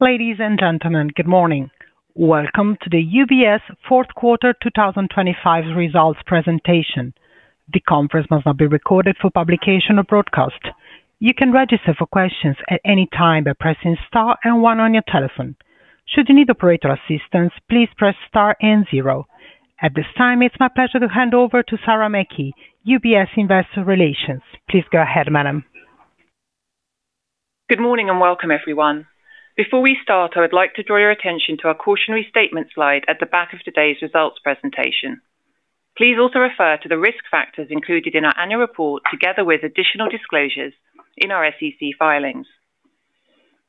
Ladies and gentlemen, good morning. Welcome to the UBS fourth quarter 2025 results presentation. The conference must not be recorded for publication or broadcast. You can register for questions at any time by pressing star and one on your telephone. Should you need operator assistance, please press star and zero. At this time, it's my pleasure to hand over to Sarah Mecky, UBS Investor Relations. Please go ahead, madam. Good morning and welcome, everyone. Before we start, I would like to draw your attention to our cautionary statement slide at the back of today's results presentation. Please also refer to the risk factors included in our annual report together with additional disclosures in our SEC filings.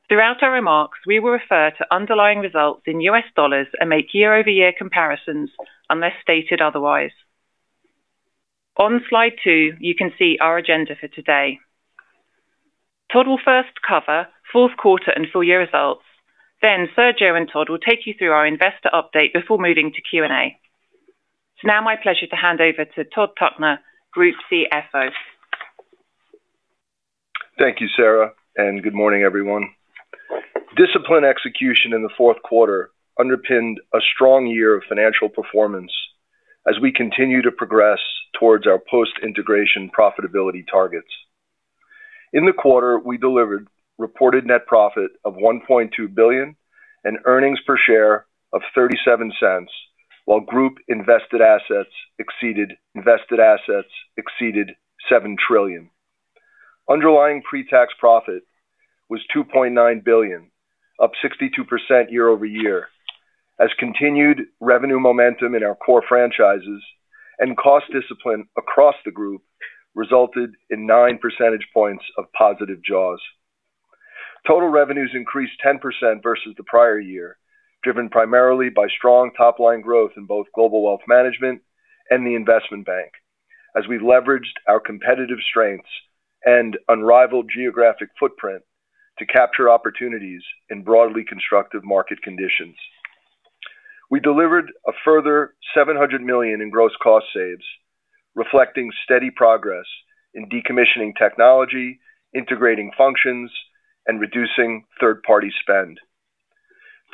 Throughout our remarks, we will refer to underlying results in U.S. dollars and make year-over-year comparisons unless stated otherwise. On slide 2, you can see our agenda for today. Todd will first cover fourth quarter and full-year results, then Sergio and Todd will take you through our investor update before moving to Q&A. It's now my pleasure to hand over to Todd Tuckner, Group CFO. Thank you, Sarah, and good morning, everyone. Discipline execution in the fourth quarter underpinned a strong year of financial performance as we continue to progress towards our post-integration profitability targets. In the quarter, we delivered reported net profit of 1.2 billion and earnings per share of 0.37, while group invested assets exceeded 7 trillion. Underlying pre-tax profit was 2.9 billion, up 62% year-over-year, as continued revenue momentum in our core franchises and cost discipline across the group resulted in 9 percentage points of positive jaws. Total revenues increased 10% versus the prior year, driven primarily by strong top-line growth in both global wealth management and the investment bank, as we leveraged our competitive strengths and unrivaled geographic footprint to capture opportunities in broadly constructive market conditions. We delivered a further 700 million in gross cost savings, reflecting steady progress in decommissioning technology, integrating functions, and reducing third-party spend.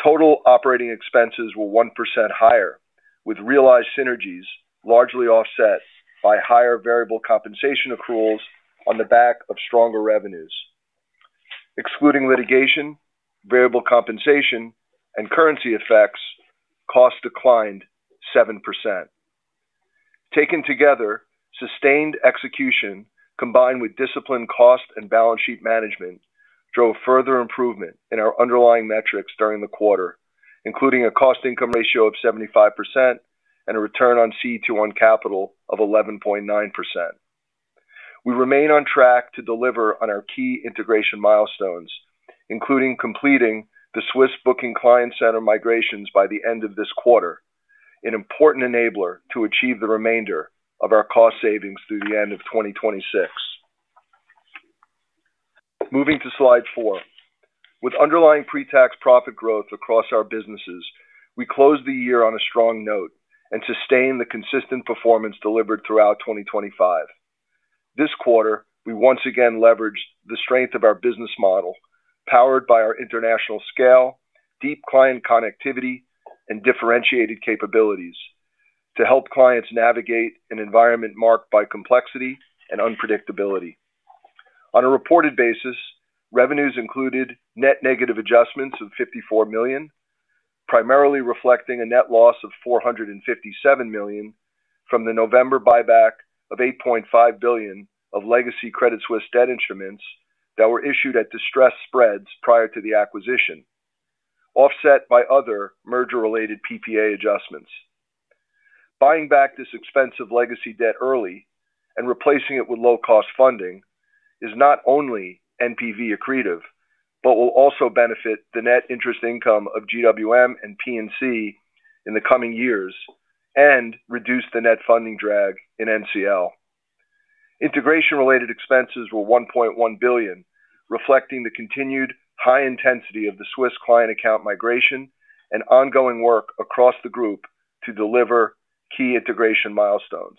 Total operating expenses were 1% higher, with realized synergies largely offset by higher variable compensation accruals on the back of stronger revenues. Excluding litigation, variable compensation, and currency effects, costs declined 7%. Taken together, sustained execution combined with disciplined cost and balance sheet management drove further improvement in our underlying metrics during the quarter, including a cost-income ratio of 75% and a return on CET1 capital of 11.9%. We remain on track to deliver on our key integration milestones, including completing the Swissbook Client Center migrations by the end of this quarter, an important enabler to achieve the remainder of our cost savings through the end of 2026. Moving to slide 4. With underlying pre-tax profit growth across our businesses, we closed the year on a strong note and sustained the consistent performance delivered throughout 2025. This quarter, we once again leveraged the strength of our business model, powered by our international scale, deep client connectivity, and differentiated capabilities, to help clients navigate an environment marked by complexity and unpredictability. On a reported basis, revenues included net negative adjustments of 54 million, primarily reflecting a net loss of 457 million from the November buyback of 8.5 billion of legacy Credit Suisse debt instruments that were issued at distressed spreads prior to the acquisition, offset by other merger-related PPA adjustments. Buying back this expensive legacy debt early and replacing it with low-cost funding is not only NPV accretive but will also benefit the net interest income of GWM and P&C in the coming years and reduce the net funding drag in NCL. Integration-related expenses were 1.1 billion, reflecting the continued high intensity of the Swiss client account migration and ongoing work across the group to deliver key integration milestones.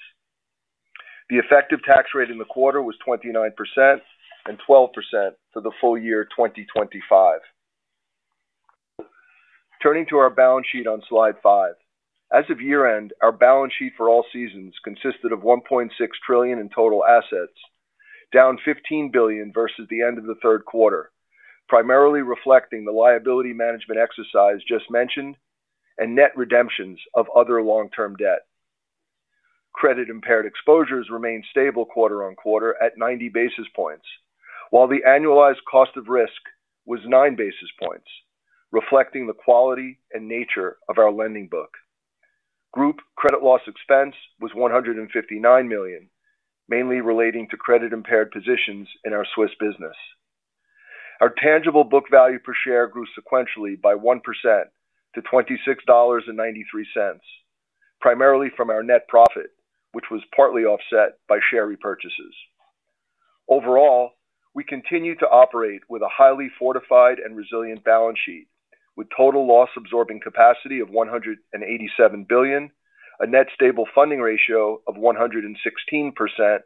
The effective tax rate in the quarter was 29% and 12% for the full year 2025. Turning to our balance sheet on slide 5. As of year-end, our balance sheet total consisted of 1.6 trillion in total assets, down 15 billion versus the end of the third quarter, primarily reflecting the liability management exercise just mentioned and net redemptions of other long-term debt. Credit-impaired exposures remained stable quarter-on-quarter at 90 basis points, while the annualized cost of risk was 9 basis points, reflecting the quality and nature of our lending book. Group credit loss expense was 159 million, mainly relating to credit-impaired positions in our Swiss business. Our tangible book value per share grew sequentially by 1% to $26.93, primarily from our net profit, which was partly offset by share repurchases. Overall, we continue to operate with a highly fortified and resilient balance sheet, with total loss-absorbing capacity of 187 billion, a net stable funding ratio of 116%,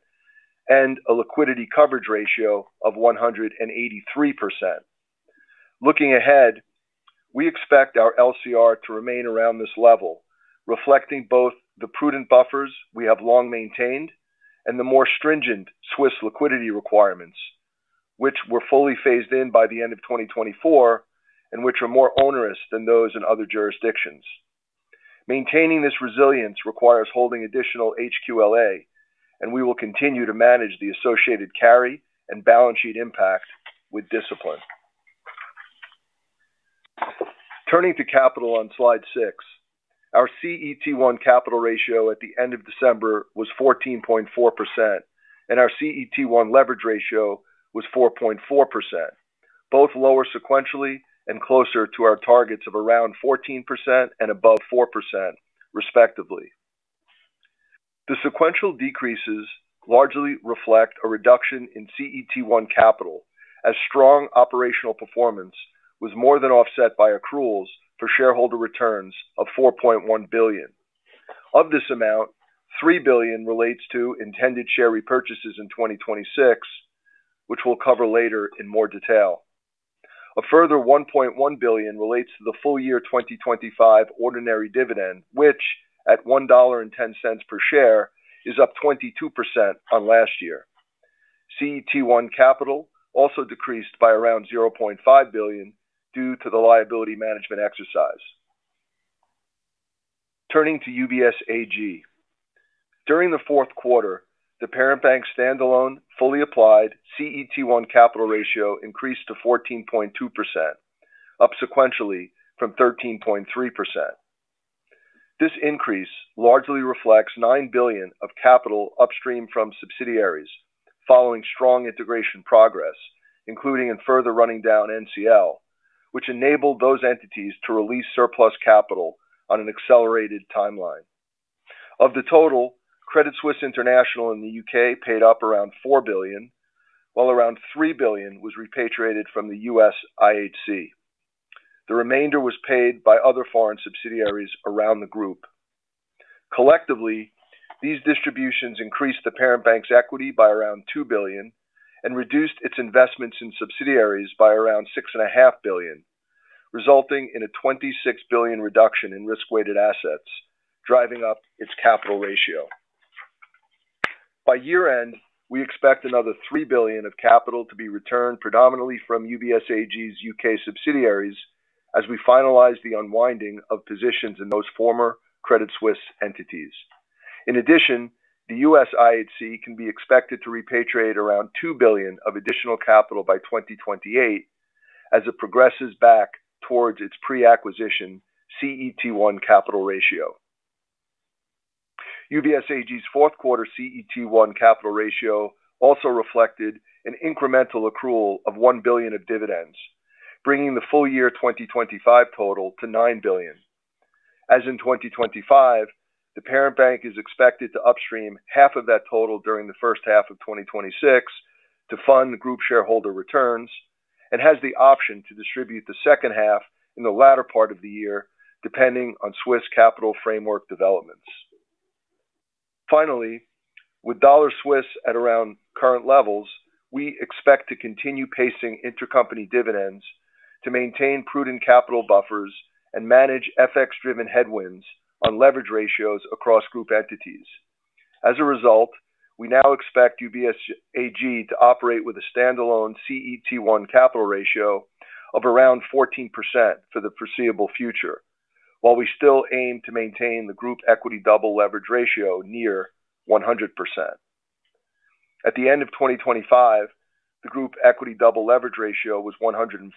and a liquidity coverage ratio of 183%. Looking ahead, we expect our LCR to remain around this level, reflecting both the prudent buffers we have long maintained and the more stringent Swiss liquidity requirements, which were fully phased in by the end of 2024 and which are more onerous than those in other jurisdictions. Maintaining this resilience requires holding additional HQLA, and we will continue to manage the associated carry and balance sheet impact with discipline. Turning to capital on slide 6. Our CET1 capital ratio at the end of December was 14.4%, and our CET1 leverage ratio was 4.4%, both lower sequentially and closer to our targets of around 14% and above 4%, respectively. The sequential decreases largely reflect a reduction in CET1 capital, as strong operational performance was more than offset by accruals for shareholder returns of 4.1 billion. Of this amount, 3 billion relates to intended share repurchases in 2026, which we'll cover later in more detail. A further 1.1 billion relates to the full-year 2025 ordinary dividend, which, at $1.10 per share, is up 22% on last year. CET1 capital also decreased by around 0.5 billion due to the liability management exercise. Turning to UBS AG. During the fourth quarter, the parent bank's standalone, fully applied CET1 capital ratio increased to 14.2%, up sequentially from 13.3%. This increase largely reflects 9 billion of capital upstream from subsidiaries, following strong integration progress, including in further running down NCL, which enabled those entities to release surplus capital on an accelerated timeline. Of the total, Credit Suisse International in the U.K. paid up around 4 billion, while around 3 billion was repatriated from the U.S. IHC. The remainder was paid by other foreign subsidiaries around the group. Collectively, these distributions increased the parent bank's equity by around 2 billion and reduced its investments in subsidiaries by around 6.5 billion, resulting in a 26 billion reduction in risk-weighted assets, driving up its capital ratio. By year-end, we expect another 3 billion of capital to be returned predominantly from UBS AG's U.K. subsidiaries as we finalize the unwinding of positions in those former Credit Suisse entities. In addition, the U.S. IHC can be expected to repatriate around 2 billion of additional capital by 2028 as it progresses back towards its pre-acquisition CET1 capital ratio. UBS AG's fourth quarter CET1 capital ratio also reflected an incremental accrual of 1 billion of dividends, bringing the full-year 2025 total to 9 billion. As in 2025, the parent bank is expected to upstream half of that total during the first half of 2026 to fund group shareholder returns and has the option to distribute the second half in the latter part of the year depending on Swiss capital framework developments. Finally, with dollar Swiss at around current levels, we expect to continue pacing intercompany dividends to maintain prudent capital buffers and manage FX-driven headwinds on leverage ratios across group entities. As a result, we now expect UBS AG to operate with a standalone CET1 capital ratio of around 14% for the foreseeable future, while we still aim to maintain the group equity double leverage ratio near 100%. At the end of 2025, the group equity double leverage ratio was 104%,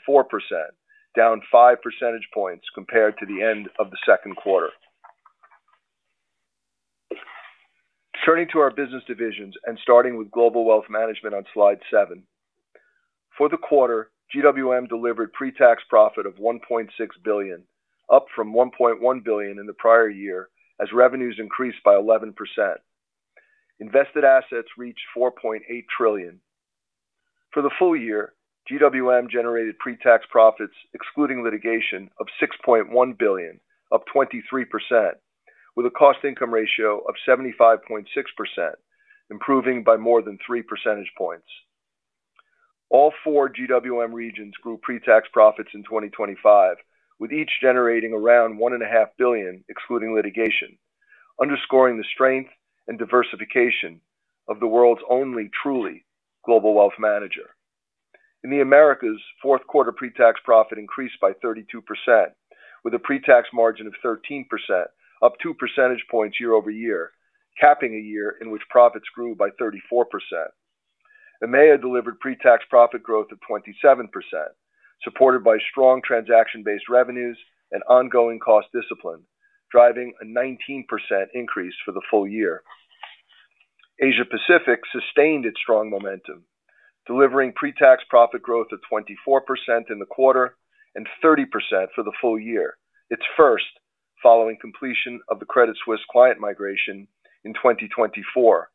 down 5 percentage points compared to the end of the second quarter. Turning to our business divisions and starting with Global Wealth Management on slide 7. For the quarter, GWM delivered pre-tax profit of 1.6 billion, up from 1.1 billion in the prior year as revenues increased by 11%. Invested assets reached 4.8 trillion. For the full year, GWM generated pre-tax profits excluding litigation of 6.1 billion, up 23%, with a cost-income ratio of 75.6%, improving by more than 3 percentage points. All four GWM regions grew pre-tax profits in 2025, with each generating around 1.5 billion excluding litigation, underscoring the strength and diversification of the world's only truly global wealth manager. In the Americas, fourth quarter pre-tax profit increased by 32%, with a pre-tax margin of 13%, up 2 percentage points year-over-year, capping a year in which profits grew by 34%. EMEA delivered pre-tax profit growth of 27%, supported by strong transaction-based revenues and ongoing cost discipline, driving a 19% increase for the full year. Asia Pacific sustained its strong momentum, delivering pre-tax profit growth of 24% in the quarter and 30% for the full year, its first following completion of the Credit Suisse client migration in 2024,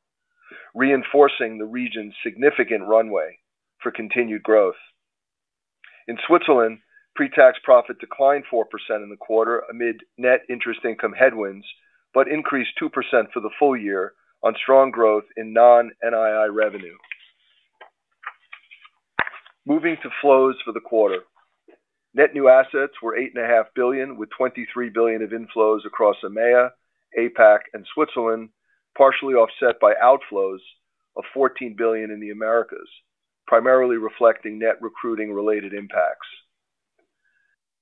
reinforcing the region's significant runway for continued growth. In Switzerland, pre-tax profit declined 4% in the quarter amid net interest income headwinds but increased 2% for the full year on strong growth in non-NII revenue. Moving to flows for the quarter. Net new assets were 8.5 billion, with 23 billion of inflows across EMEA, APAC, and Switzerland, partially offset by outflows of 14 billion in the Americas, primarily reflecting net recruiting-related impacts.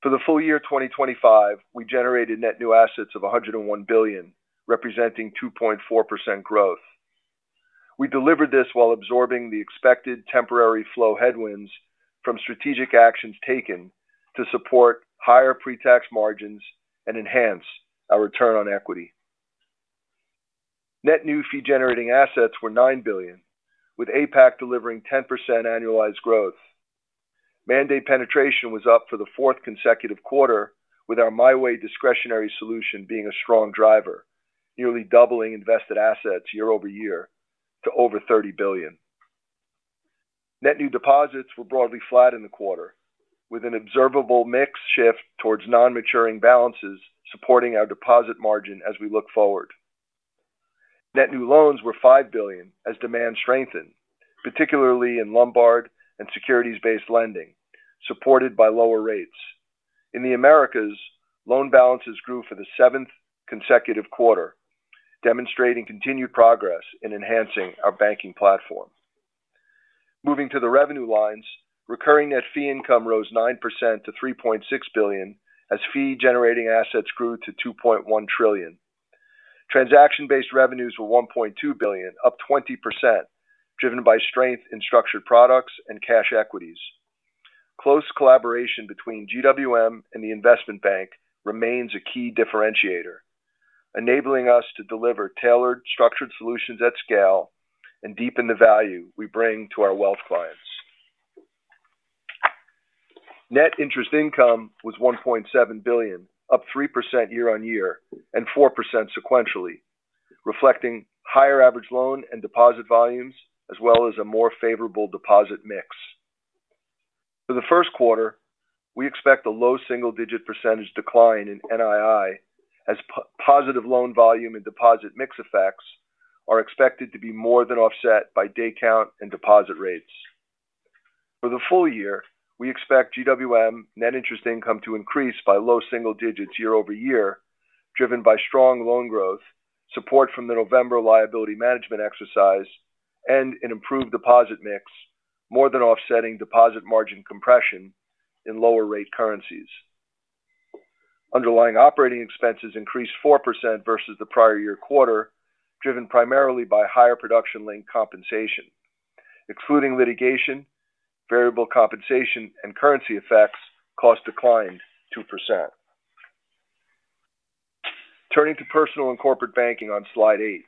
For the full year 2025, we generated net new assets of 101 billion, representing 2.4% growth. We delivered this while absorbing the expected temporary flow headwinds from strategic actions taken to support higher pre-tax margins and enhance our return on equity. Net new fee-generating assets were 9 billion, with APAC delivering 10% annualized growth. Mandate penetration was up for the fourth consecutive quarter, with our MyWay discretionary solution being a strong driver, nearly doubling invested assets year-over-year to over 30 billion. Net new deposits were broadly flat in the quarter, with an observable mix shift towards non-maturing balances supporting our deposit margin as we look forward. Net new loans were 5 billion as demand strengthened, particularly in Lombard and securities-based lending, supported by lower rates. In the Americas, loan balances grew for the seventh consecutive quarter, demonstrating continued progress in enhancing our banking platform. Moving to the revenue lines, recurring net fee income rose 9% to 3.6 billion as fee-generating assets grew to 2.1 trillion. Transaction-based revenues were 1.2 billion, up 20%, driven by strength in structured products and cash equities. Close collaboration between GWM and the investment bank remains a key differentiator, enabling us to deliver tailored, structured solutions at scale and deepen the value we bring to our wealth clients. Net interest income was 1.7 billion, up 3% year-on-year and 4% sequentially, reflecting higher average loan and deposit volumes as well as a more favorable deposit mix. For the first quarter, we expect a low single-digit percentage decline in NII as positive loan volume and deposit mix effects are expected to be more than offset by day count and deposit rates. For the full year, we expect GWM net interest income to increase by low single digits year-over-year, driven by strong loan growth, support from the November liability management exercise, and an improved deposit mix, more than offsetting deposit margin compression in lower-rate currencies. Underlying operating expenses increased 4% versus the prior year quarter, driven primarily by higher production-linked compensation. Excluding litigation, variable compensation, and currency effects, cost declined 2%. Turning to personal and corporate banking on slide 8.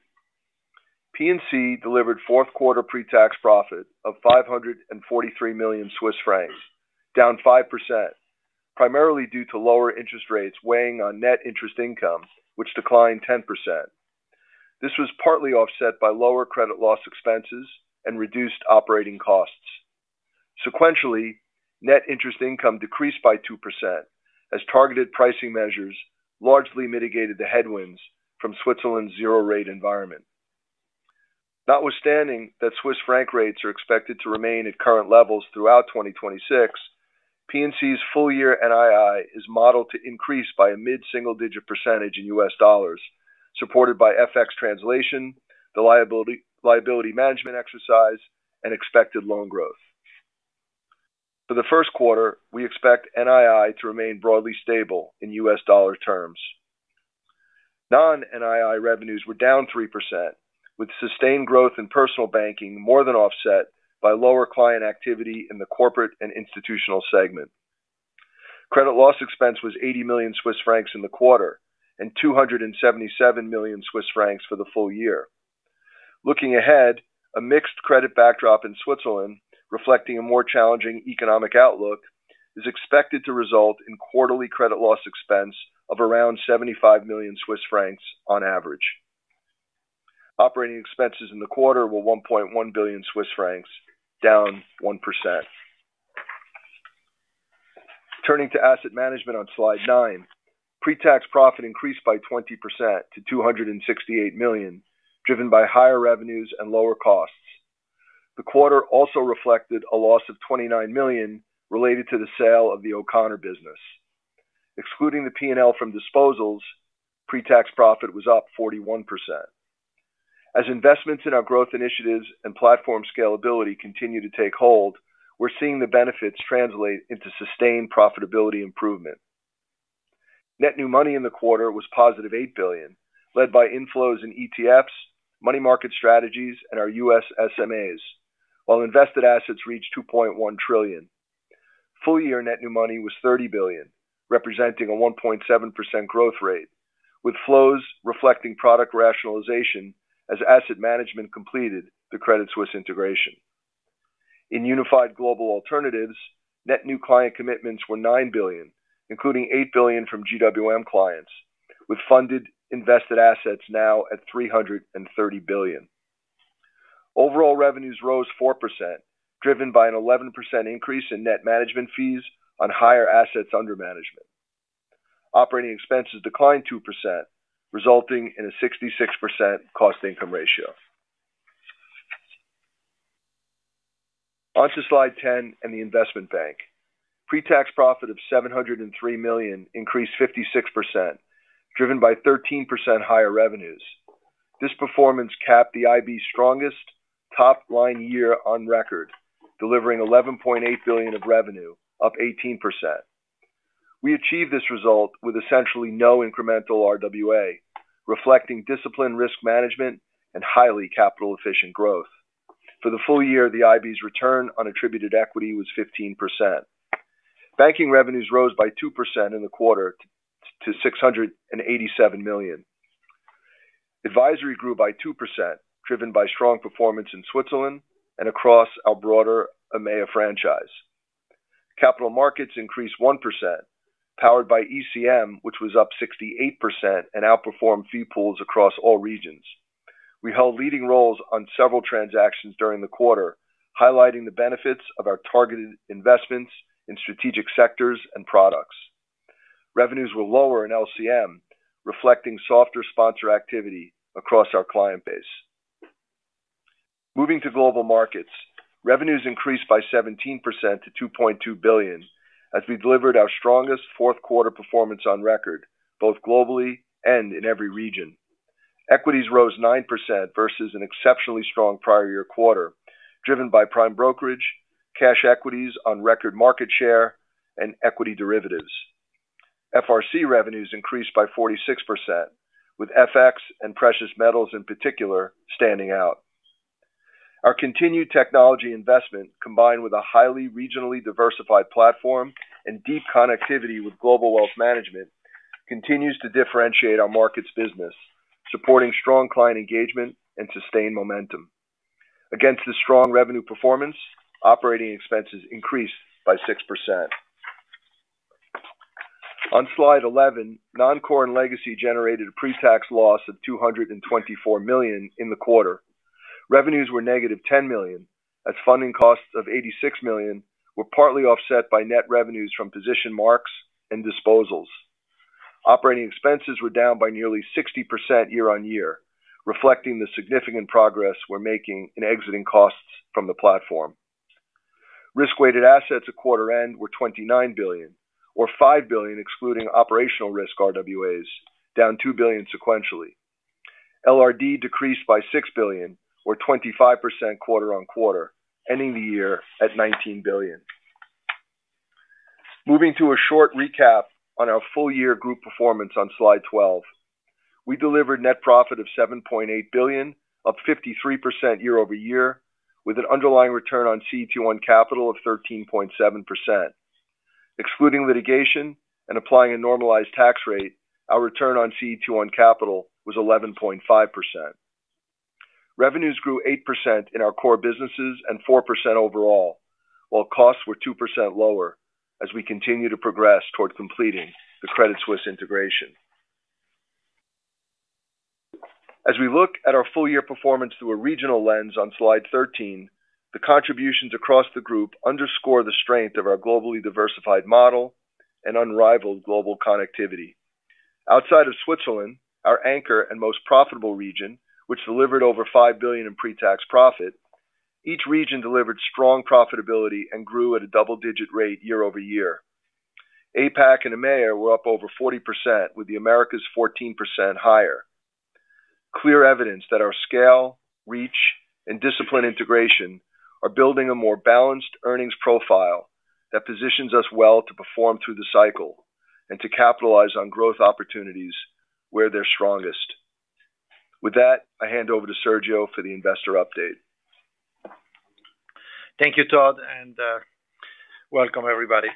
P&C delivered fourth quarter pre-tax profit of 543 million Swiss francs, down 5%, primarily due to lower interest rates weighing on net interest income, which declined 10%. This was partly offset by lower credit loss expenses and reduced operating costs. Sequentially, net interest income decreased by 2% as targeted pricing measures largely mitigated the headwinds from Switzerland's zero-rate environment. Notwithstanding that Swiss franc rates are expected to remain at current levels throughout 2026, P&C's full-year NII is modeled to increase by a mid-single-digit percentage in US dollars, supported by FX translation, the liability management exercise, and expected loan growth. For the first quarter, we expect NII to remain broadly stable in US dollar terms. Non-NII revenues were down 3%, with sustained growth in personal banking more than offset by lower client activity in the corporate and institutional segment. Credit loss expense was 80 million Swiss francs in the quarter and 277 million Swiss francs for the full year. Looking ahead, a mixed credit backdrop in Switzerland, reflecting a more challenging economic outlook, is expected to result in quarterly credit loss expense of around 75 million Swiss francs on average. Operating expenses in the quarter were 1.1 billion Swiss francs, down 1%. Turning to asset management on slide 9. Pre-tax profit increased by 20% to 268 million, driven by higher revenues and lower costs. The quarter also reflected a loss of 29 million related to the sale of the O'Connor business. Excluding the P&L from disposals, pre-tax profit was up 41%. As investments in our growth initiatives and platform scalability continue to take hold, we're seeing the benefits translate into sustained profitability improvement. Net new money in the quarter was positive 8 billion, led by inflows in ETFs, money market strategies, and our US SMAs, while invested assets reached 2.1 trillion. Full-year net new money was 30 billion, representing a 1.7% growth rate, with flows reflecting product rationalization as Asset Management completed the Credit Suisse integration. In Unified Global Alternatives, net new client commitments were 9 billion, including 8 billion from GWM clients, with funded invested assets now at 330 billion. Overall revenues rose 4%, driven by an 11% increase in net management fees on higher assets under management. Operating expenses declined 2%, resulting in a 66% cost-income ratio. Onto slide 10 and the Investment Bank. Pre-tax profit of 703 million increased 56%, driven by 13% higher revenues. This performance capped the IB's strongest top-line year on record, delivering 11.8 billion of revenue, up 18%. We achieved this result with essentially no incremental RWA, reflecting disciplined risk management and highly capital-efficient growth. For the full year, the IB's return on attributed equity was 15%. Banking revenues rose by 2% in the quarter to 687 million. Advisory grew by 2%, driven by strong performance in Switzerland and across our broader EMEA franchise. Capital markets increased 1%, powered by ECM, which was up 68% and outperformed fee pools across all regions. We held leading roles on several transactions during the quarter, highlighting the benefits of our targeted investments in strategic sectors and products. Revenues were lower in LCM, reflecting softer sponsor activity across our client base. Moving to global markets. Revenues increased by 17% to 2.2 billion as we delivered our strongest fourth quarter performance on record, both globally and in every region. Equities rose 9% versus an exceptionally strong prior-year quarter, driven by prime brokerage, cash equities on record market share, and equity derivatives. FRC revenues increased by 46%, with FX and precious metals in particular standing out. Our continued technology investment, combined with a highly regionally diversified platform and deep connectivity with global wealth management, continues to differentiate our market's business, supporting strong client engagement and sustained momentum. Against the strong revenue performance, operating expenses increased by 6%. On slide 11, Non-Core and Legacy generated a pre-tax loss of 224 million in the quarter. Revenues were negative 10 million as funding costs of 86 million partly offset by net revenues from position marks and disposals. Operating expenses were down by nearly 60% year-on-year, reflecting the significant progress we're making in exiting costs from the platform. Risk-weighted assets at quarter end were 29 billion, or 5 billion excluding operational risk RWAs, down 2 billion sequentially. LRD decreased by 6 billion, or 25% quarter-over-quarter, ending the year at 19 billion. Moving to a short recap on our full-year group performance on slide 12. We delivered net profit of 7.8 billion, up 53% year-over-year, with an underlying return on CET1 capital of 13.7%. Excluding litigation and applying a normalized tax rate, our return on CET1 capital was 11.5%. Revenues grew 8% in our core businesses and 4% overall, while costs were 2% lower as we continue to progress toward completing the Credit Suisse integration. As we look at our full-year performance through a regional lens on slide 13, the contributions across the group underscore the strength of our globally diversified model and unrivaled global connectivity. Outside of Switzerland, our anchor and most profitable region, which delivered over 5 billion in pre-tax profit, each region delivered strong profitability and grew at a double-digit rate year over year. APAC and EMEA were up over 40%, with the Americas 14% higher. Clear evidence that our scale, reach, and discipline integration are building a more balanced earnings profile that positions us well to perform through the cycle and to capitalize on growth opportunities where they're strongest. With that, I hand over to Sergio for the investor update. Thank you, Todd, and welcome, everybody.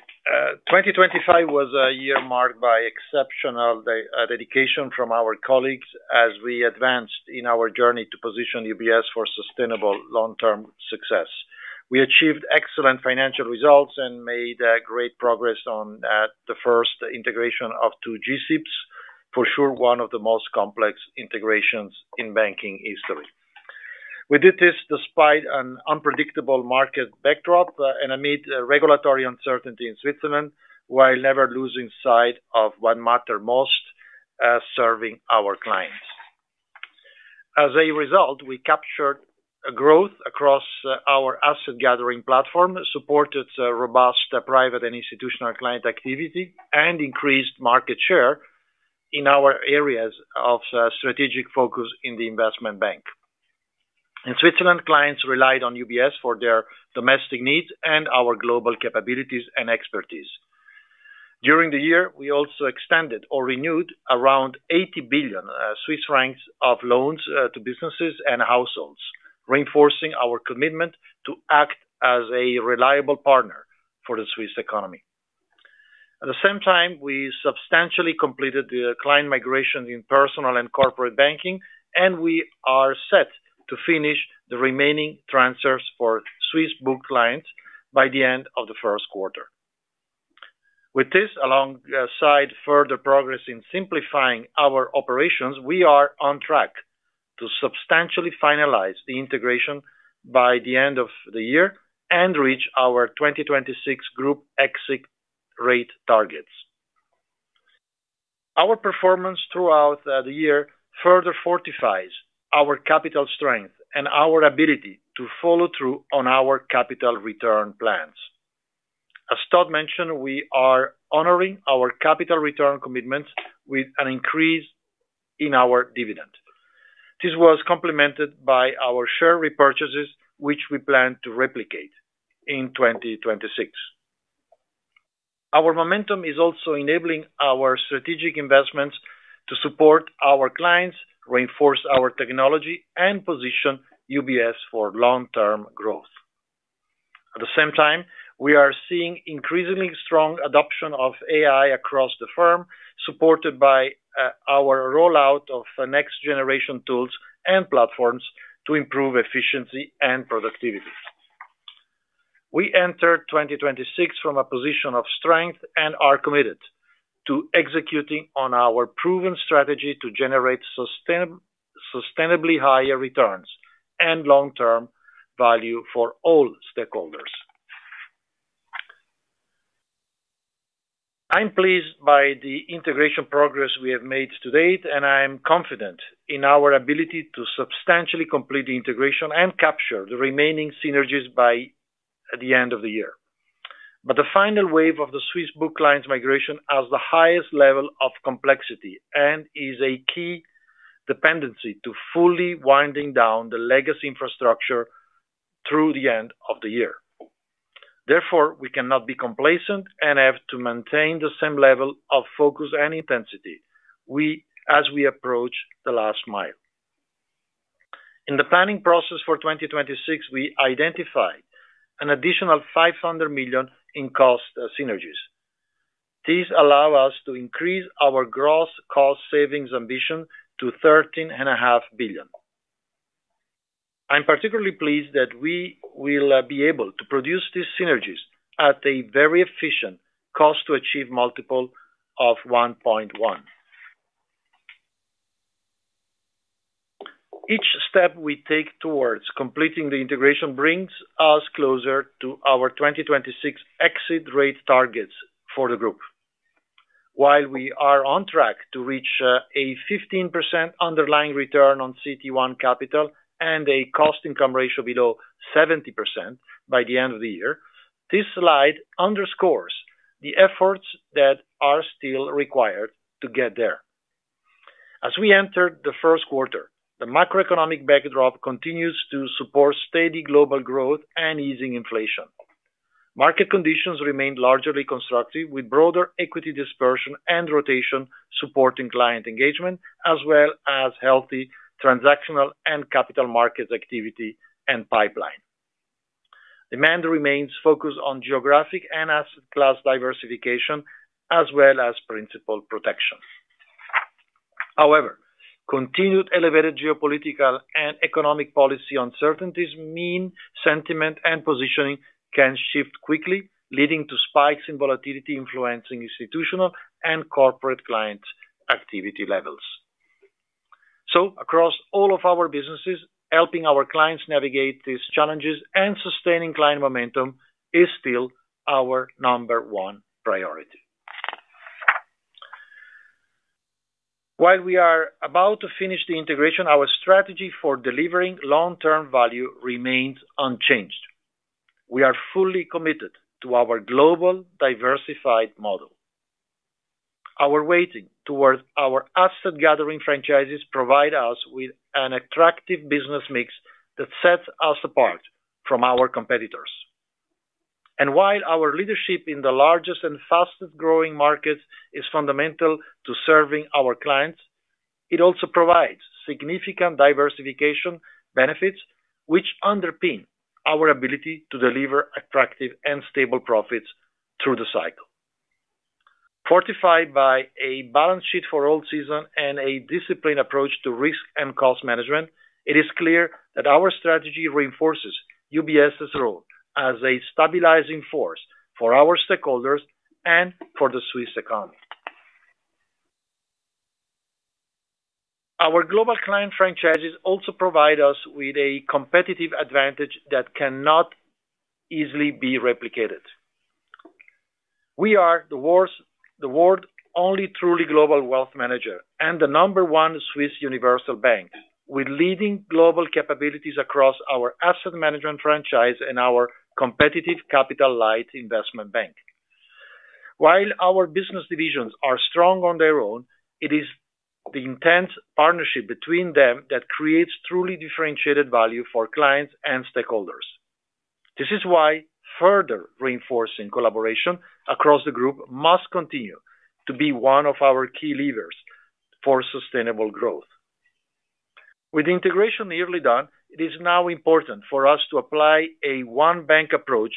2025 was a year marked by exceptional dedication from our colleagues as we advanced in our journey to position UBS for sustainable long-term success. We achieved excellent financial results and made great progress on the first integration of two GCIPs, for sure one of the most complex integrations in banking history. We did this despite an unpredictable market backdrop and amid regulatory uncertainty in Switzerland while never losing sight of what mattered most: serving our clients. As a result, we captured growth across our asset-gathering platform, supported robust private and institutional client activity, and increased market share in our areas of strategic focus in the investment bank. In Switzerland, clients relied on UBS for their domestic needs and our global capabilities and expertise. During the year, we also extended or renewed around 80 billion Swiss francs of loans to businesses and households, reinforcing our commitment to act as a reliable partner for the Swiss economy. At the same time, we substantially completed the client migration in personal and corporate banking, and we are set to finish the remaining transfers for Swiss-booked clients by the end of the first quarter. With this, alongside further progress in simplifying our operations, we are on track to substantially finalize the integration by the end of the year and reach our 2026 group exit rate targets. Our performance throughout the year further fortifies our capital strength and our ability to follow through on our capital return plans. As Todd mentioned, we are honoring our capital return commitment with an increase in our dividend. This was complemented by our share repurchases, which we plan to replicate in 2026. Our momentum is also enabling our strategic investments to support our clients, reinforce our technology, and position UBS for long-term growth. At the same time, we are seeing increasingly strong adoption of AI across the firm, supported by our rollout of next-generation tools and platforms to improve efficiency and productivity. We entered 2026 from a position of strength and are committed to executing on our proven strategy to generate sustainably higher returns and long-term value for all stakeholders. I'm pleased by the integration progress we have made to date, and I'm confident in our ability to substantially complete the integration and capture the remaining synergies by the end of the year. But the final wave of the Swiss-booked clients' migration has the highest level of complexity and is a key dependency to fully winding down the legacy infrastructure through the end of the year. Therefore, we cannot be complacent and have to maintain the same level of focus and intensity as we approach the last mile. In the planning process for 2026, we identified an additional 500 million in cost synergies. These allow us to increase our gross cost savings ambition to 13.5 billion. I'm particularly pleased that we will be able to produce these synergies at a very efficient cost-to-achieve multiple of 1.1. Each step we take towards completing the integration brings us closer to our 2026 exit rate targets for the group. While we are on track to reach a 15% underlying return on CET1 capital and a cost-income ratio below 70% by the end of the year, this slide underscores the efforts that are still required to get there. As we entered the first quarter, the macroeconomic backdrop continues to support steady global growth and easing inflation. Market conditions remain largely constructive, with broader equity dispersion and rotation supporting client engagement, as well as healthy transactional and capital markets activity and pipeline. Demand remains focused on geographic and asset class diversification, as well as principal protection. However, continued elevated geopolitical and economic policy uncertainties, market sentiment, and positioning can shift quickly, leading to spikes in volatility influencing institutional and corporate client activity levels. So, across all of our businesses, helping our clients navigate these challenges and sustaining client momentum is still our number one priority. While we are about to finish the integration, our strategy for delivering long-term value remains unchanged. We are fully committed to our global diversified model. Our weighting towards our asset-gathering franchises provides us with an attractive business mix that sets us apart from our competitors. While our leadership in the largest and fastest-growing markets is fundamental to serving our clients, it also provides significant diversification benefits, which underpin our ability to deliver attractive and stable profits through the cycle. Fortified by a balance sheet for all seasons and a disciplined approach to risk and cost management, it is clear that our strategy reinforces UBS's role as a stabilizing force for our stakeholders and for the Swiss economy. Our global client franchises also provide us with a competitive advantage that cannot easily be replicated. We are the world's only truly global wealth manager and the number one Swiss universal bank, with leading global capabilities across our asset management franchise and our competitive capital light investment bank. While our business divisions are strong on their own, it is the intense partnership between them that creates truly differentiated value for clients and stakeholders. This is why further reinforcing collaboration across the group must continue to be one of our key levers for sustainable growth. With the integration nearly done, it is now important for us to apply a one-bank approach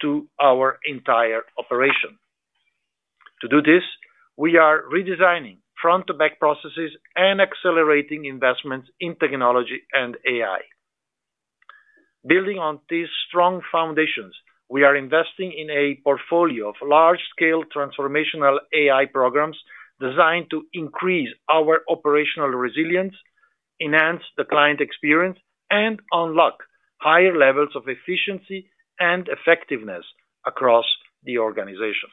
to our entire operation. To do this, we are redesigning front-to-back processes and accelerating investments in technology and AI. Building on these strong foundations, we are investing in a portfolio of large-scale transformational AI programs designed to increase our operational resilience, enhance the client experience, and unlock higher levels of efficiency and effectiveness across the organization.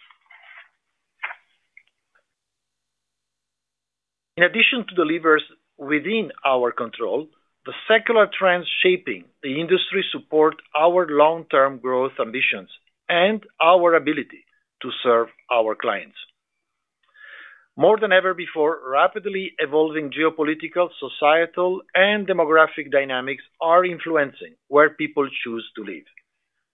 In addition to the levers within our control, the secular trends shaping the industry support our long-term growth ambitions and our ability to serve our clients. More than ever before, rapidly evolving geopolitical, societal, and demographic dynamics are influencing where people choose to live.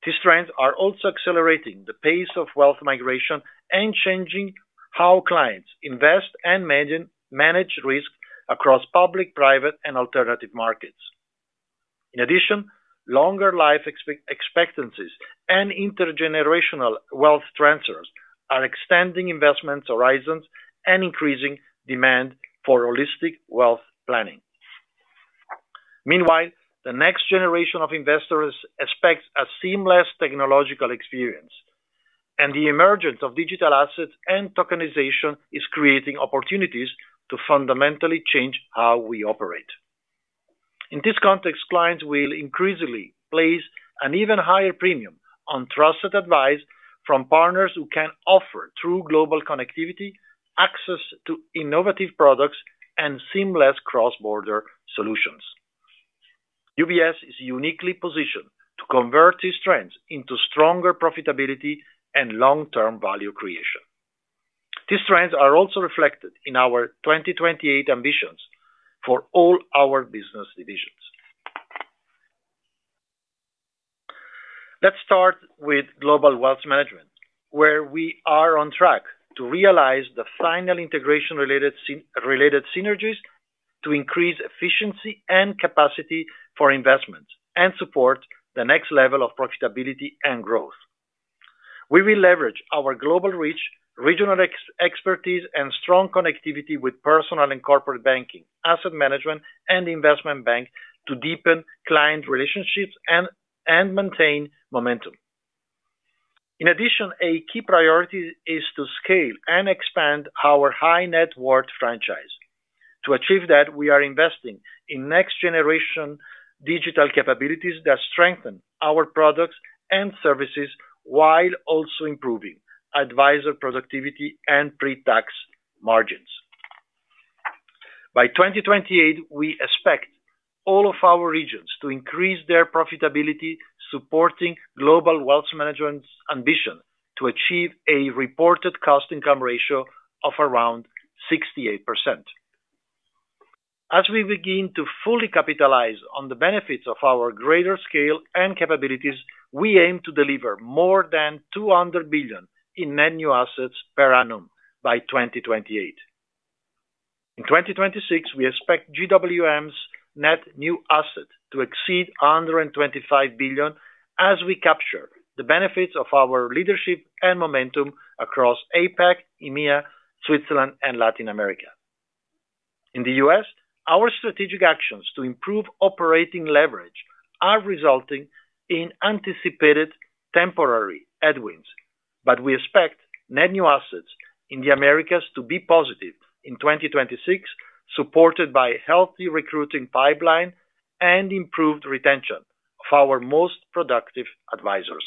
These trends are also accelerating the pace of wealth migration and changing how clients invest and manage risk across public, private, and alternative markets. In addition, longer life expectancies and intergenerational wealth transfers are extending investment horizons and increasing demand for holistic wealth planning. Meanwhile, the next generation of investors expects a seamless technological experience, and the emergence of digital assets and tokenization is creating opportunities to fundamentally change how we operate. In this context, clients will increasingly place an even higher premium on trusted advice from partners who can offer true global connectivity, access to innovative products, and seamless cross-border solutions. UBS is uniquely positioned to convert these trends into stronger profitability and long-term value creation. These trends are also reflected in our 2028 ambitions for all our business divisions. Let's start with global wealth management, where we are on track to realize the final integration-related synergies to increase efficiency and capacity for investments and support the next level of profitability and growth. We will leverage our global reach, regional expertise, and strong connectivity with personal and corporate banking, asset management, and investment bank to deepen client relationships and maintain momentum. In addition, a key priority is to scale and expand our high-net-worth franchise. To achieve that, we are investing in next-generation digital capabilities that strengthen our products and services while also improving advisor productivity and pre-tax margins. By 2028, we expect all of our regions to increase their profitability, supporting global wealth management's ambition to achieve a reported cost-income ratio of around 68%. As we begin to fully capitalize on the benefits of our greater scale and capabilities, we aim to deliver more than $200 billion in net new assets per annum by 2028. In 2026, we expect GWM's net new assets to exceed $125 billion as we capture the benefits of our leadership and momentum across APAC, EMEA, Switzerland, and Latin America. In the US, our strategic actions to improve operating leverage are resulting in anticipated temporary headwinds, but we expect net new assets in the Americas to be positive in 2026, supported by a healthy recruiting pipeline and improved retention of our most productive advisors.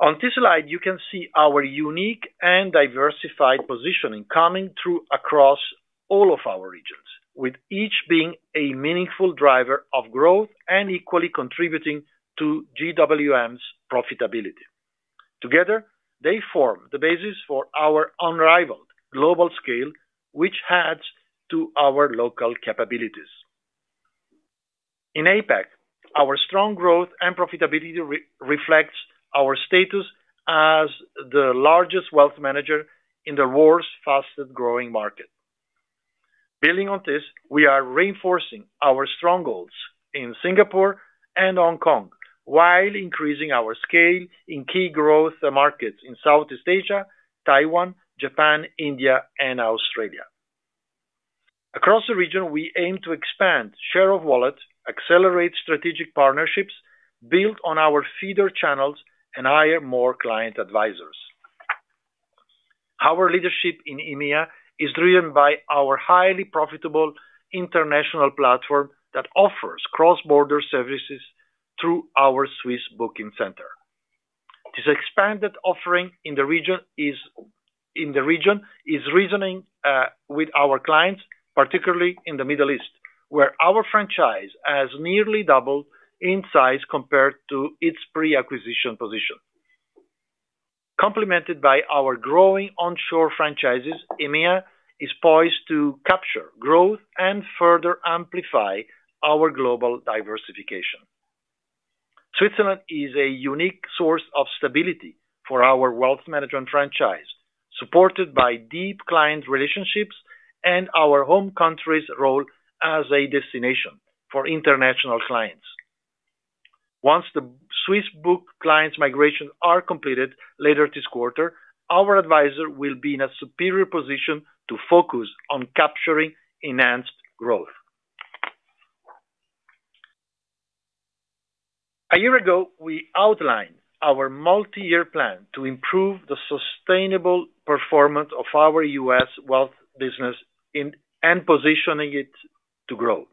On this slide, you can see our unique and diversified positioning coming through across all of our regions, with each being a meaningful driver of growth and equally contributing to GWM's profitability. Together, they form the basis for our unrivaled global scale, which adds to our local capabilities. In APAC, our strong growth and profitability reflect our status as the largest wealth manager in the world's fastest-growing market. Building on this, we are reinforcing our strong goals in Singapore and Hong Kong while increasing our scale in key growth markets in Southeast Asia, Taiwan, Japan, India, and Australia. Across the region, we aim to expand share of wallet, accelerate strategic partnerships, build on our feeder channels, and hire more client advisors. Our leadership in EMEA is driven by our highly profitable international platform that offers cross-border services through our Swiss booking center. This expanded offering in the region is resonating with our clients, particularly in the Middle East, where our franchise has nearly doubled in size compared to its pre-acquisition position. Complemented by our growing onshore franchises, EMEA is poised to capture growth and further amplify our global diversification. Switzerland is a unique source of stability for our wealth management franchise, supported by deep client relationships and our home country's role as a destination for international clients. Once the Swiss-booked clients' migration is completed later this quarter, our advisor will be in a superior position to focus on capturing enhanced growth. A year ago, we outlined our multi-year plan to improve the sustainable performance of our US wealth business and positioning it to grow.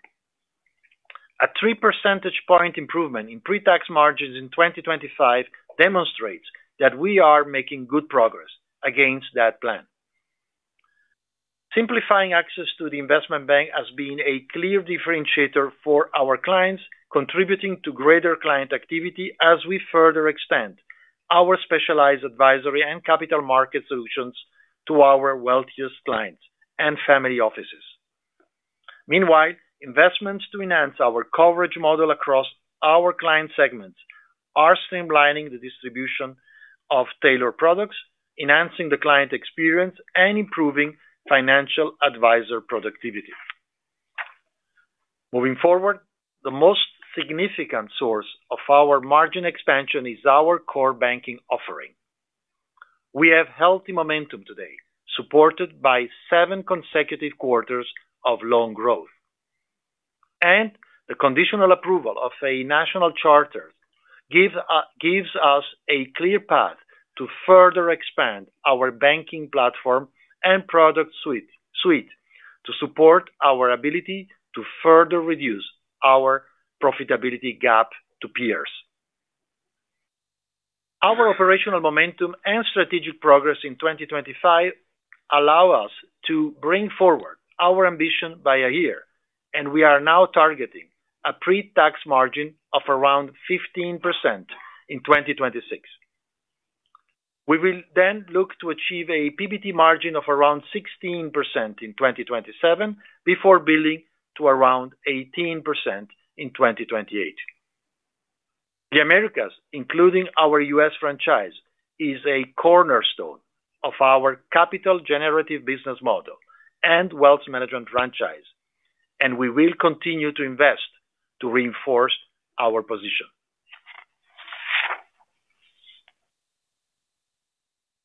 A 3 percentage point improvement in pre-tax margins in 2025 demonstrates that we are making good progress against that plan. Simplifying access to the investment bank has been a clear differentiator for our clients, contributing to greater client activity as we further extend our specialized advisory and capital market solutions to our wealthiest clients and family offices. Meanwhile, investments to enhance our coverage model across our client segments are streamlining the distribution of tailored products, enhancing the client experience, and improving financial advisor productivity. Moving forward, the most significant source of our margin expansion is our core banking offering. We have healthy momentum today, supported by seven consecutive quarters of loan growth. The conditional approval of a national charter gives us a clear path to further expand our banking platform and product suite to support our ability to further reduce our profitability gap to peers. Our operational momentum and strategic progress in 2025 allow us to bring forward our ambition by a year, and we are now targeting a pre-tax margin of around 15% in 2026. We will then look to achieve a PBT margin of around 16% in 2027 before building to around 18% in 2028. The Americas, including our U.S. franchise, is a cornerstone of our capital-generative business model and wealth management franchise, and we will continue to invest to reinforce our position.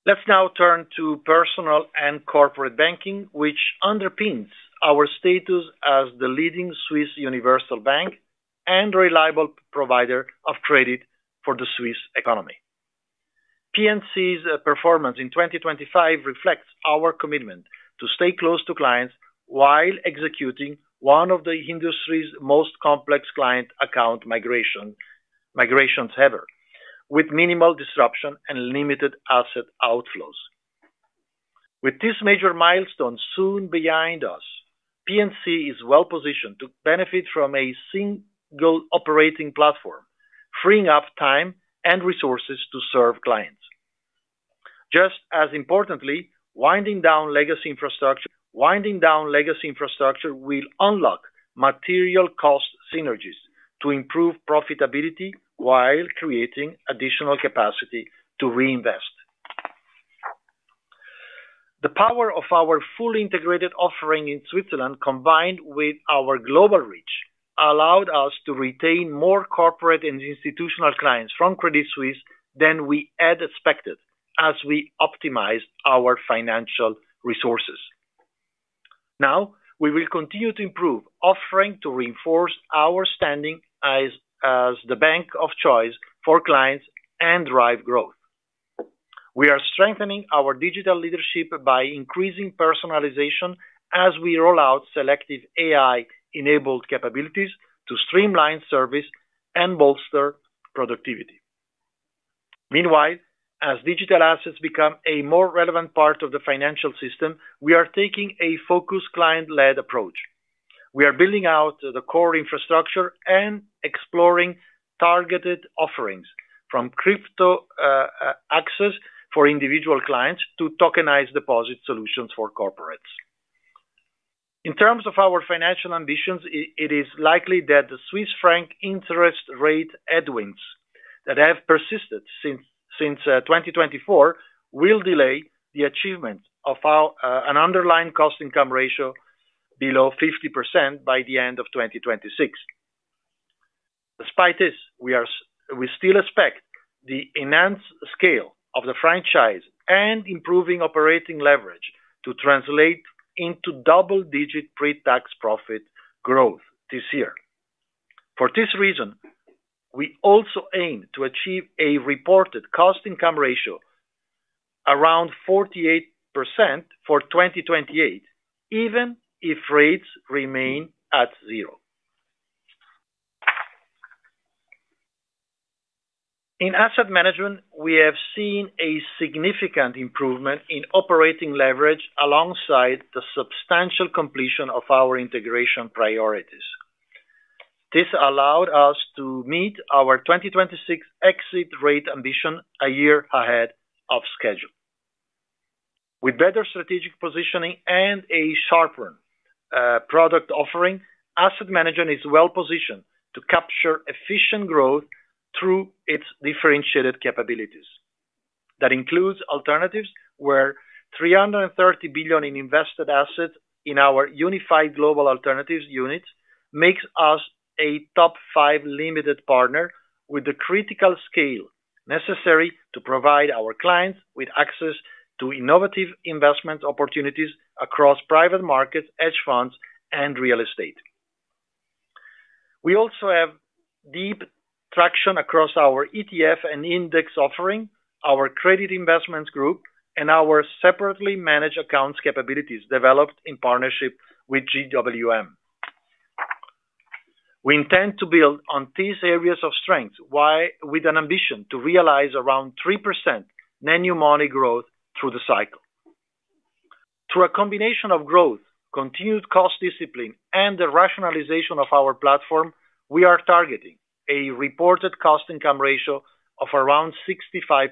Let's now turn to personal and corporate banking, which underpins our status as the leading Swiss universal bank and reliable provider of credit for the Swiss economy. P&C's performance in 2025 reflects our commitment to stay close to clients while executing one of the industry's most complex client account migrations ever, with minimal disruption and limited asset outflows. With this major milestone soon behind us, P&C is well positioned to benefit from a single operating platform, freeing up time and resources to serve clients. Just as importantly, winding down legacy infrastructure will unlock material cost synergies to improve profitability while creating additional capacity to reinvest. The power of our fully integrated offering in Switzerland, combined with our global reach, allowed us to retain more corporate and institutional clients from Credit Suisse than we had expected as we optimized our financial resources. Now, we will continue to improve, offering to reinforce our standing as the bank of choice for clients and drive growth. We are strengthening our digital leadership by increasing personalization as we roll out selective AI-enabled capabilities to streamline service and bolster productivity. Meanwhile, as digital assets become a more relevant part of the financial system, we are taking a focused client-led approach. We are building out the core infrastructure and exploring targeted offerings, from crypto access for individual clients to tokenized deposit solutions for corporates. In terms of our financial ambitions, it is likely that the Swiss franc interest rate headwinds that have persisted since 2024 will delay the achievement of an underlying cost-income ratio below 50% by the end of 2026. Despite this, we still expect the enhanced scale of the franchise and improving operating leverage to translate into double-digit pre-tax profit growth this year. For this reason, we also aim to achieve a reported cost-income ratio around 48% for 2028, even if rates remain at zero. In asset management, we have seen a significant improvement in operating leverage alongside the substantial completion of our integration priorities. This allowed us to meet our 2026 exit rate ambition a year ahead of schedule. With better strategic positioning and a sharper product offering, asset management is well positioned to capture efficient growth through its differentiated capabilities. That includes alternatives where $330 billion in invested assets in our Unified Global Alternatives unit makes us a top five limited partner with the critical scale necessary to provide our clients with access to innovative investment opportunities across private markets, hedge funds, and real estate. We also have deep traction across our ETF and index offering, our credit investments group, and our separately managed accounts capabilities developed in partnership with GWM. We intend to build on these areas of strength with an ambition to realize around 3% net new money growth through the cycle. Through a combination of growth, continued cost discipline, and the rationalization of our platform, we are targeting a reported cost-income ratio of around 65%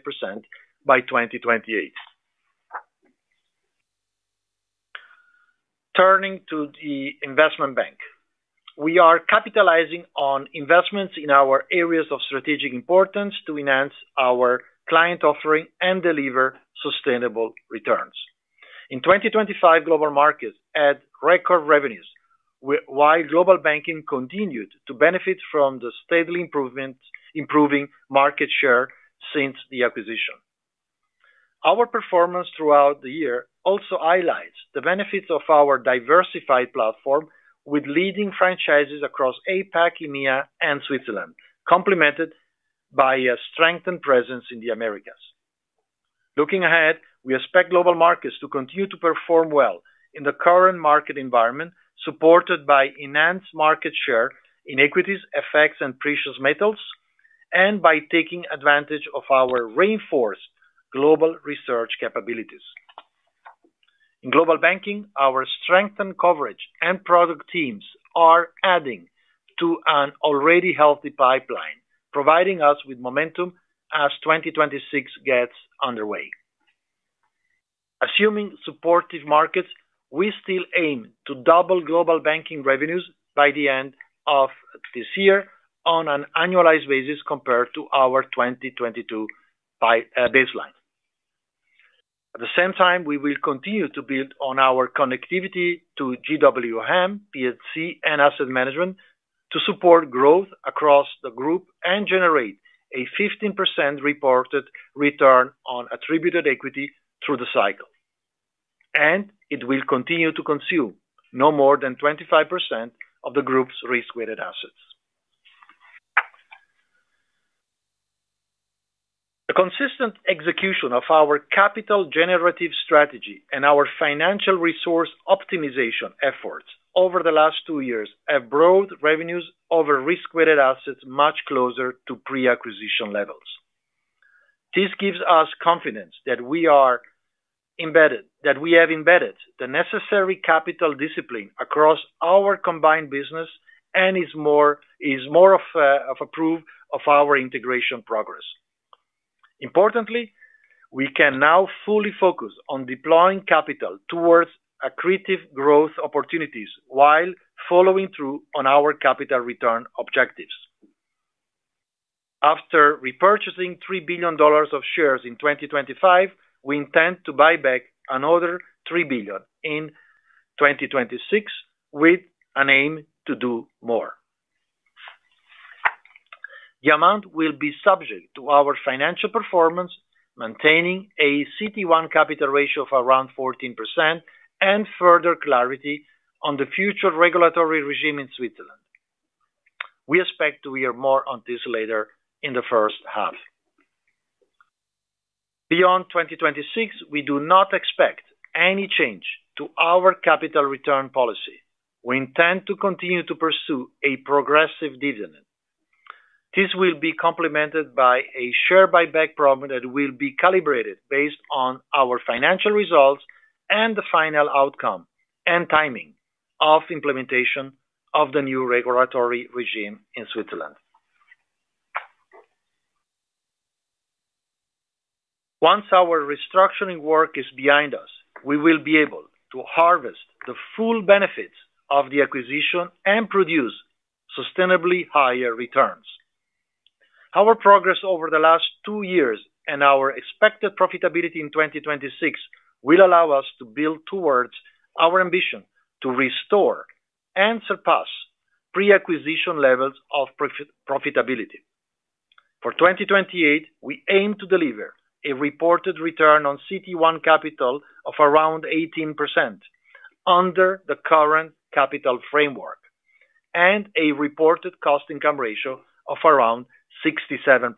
by 2028. Turning to the investment bank, we are capitalizing on investments in our areas of strategic importance to enhance our client offering and deliver sustainable returns. In 2025, global markets had record revenues while global banking continued to benefit from the steadily improving market share since the acquisition. Our performance throughout the year also highlights the benefits of our diversified platform with leading franchises across APAC, EMEA, and Switzerland, complemented by a strengthened presence in the Americas. Looking ahead, we expect global markets to continue to perform well in the current market environment supported by enhanced market share in Equities, FX, and precious metals, and by taking advantage of our reinforced global research capabilities. In Global Banking, our strengthened coverage and product teams are adding to an already healthy pipeline, providing us with momentum as 2026 gets underway. Assuming supportive markets, we still aim to double Global Banking revenues by the end of this year on an annualized basis compared to our 2022 baseline. At the same time, we will continue to build on our connectivity to GWM, P&C, and Asset Management to support growth across the Group and generate a 15% reported return on attributed equity through the cycle. It will continue to consume no more than 25% of the Group's risk-weighted assets. A consistent execution of our capital-generative strategy and our financial resource optimization efforts over the last two years have brought revenues over risk-weighted assets much closer to pre-acquisition levels. This gives us confidence that we have embedded the necessary capital discipline across our combined business and is more of a proof of our integration progress. Importantly, we can now fully focus on deploying capital towards accretive growth opportunities while following through on our capital return objectives. After repurchasing $3 billion of shares in 2025, we intend to buy back another $3 billion in 2026 with an aim to do more. The amount will be subject to our financial performance, maintaining a CET1 capital ratio of around 14% and further clarity on the future regulatory regime in Switzerland. We expect to hear more on this later in the first half. Beyond 2026, we do not expect any change to our capital return policy. We intend to continue to pursue a progressive dividend. This will be complemented by a share buyback program that will be calibrated based on our financial results and the final outcome and timing of implementation of the new regulatory regime in Switzerland. Once our restructuring work is behind us, we will be able to harvest the full benefits of the acquisition and produce sustainably higher returns. Our progress over the last two years and our expected profitability in 2026 will allow us to build towards our ambition to restore and surpass pre-acquisition levels of profitability. For 2028, we aim to deliver a reported return on CET1 capital of around 18% under the current capital framework and a reported cost-income ratio of around 67%.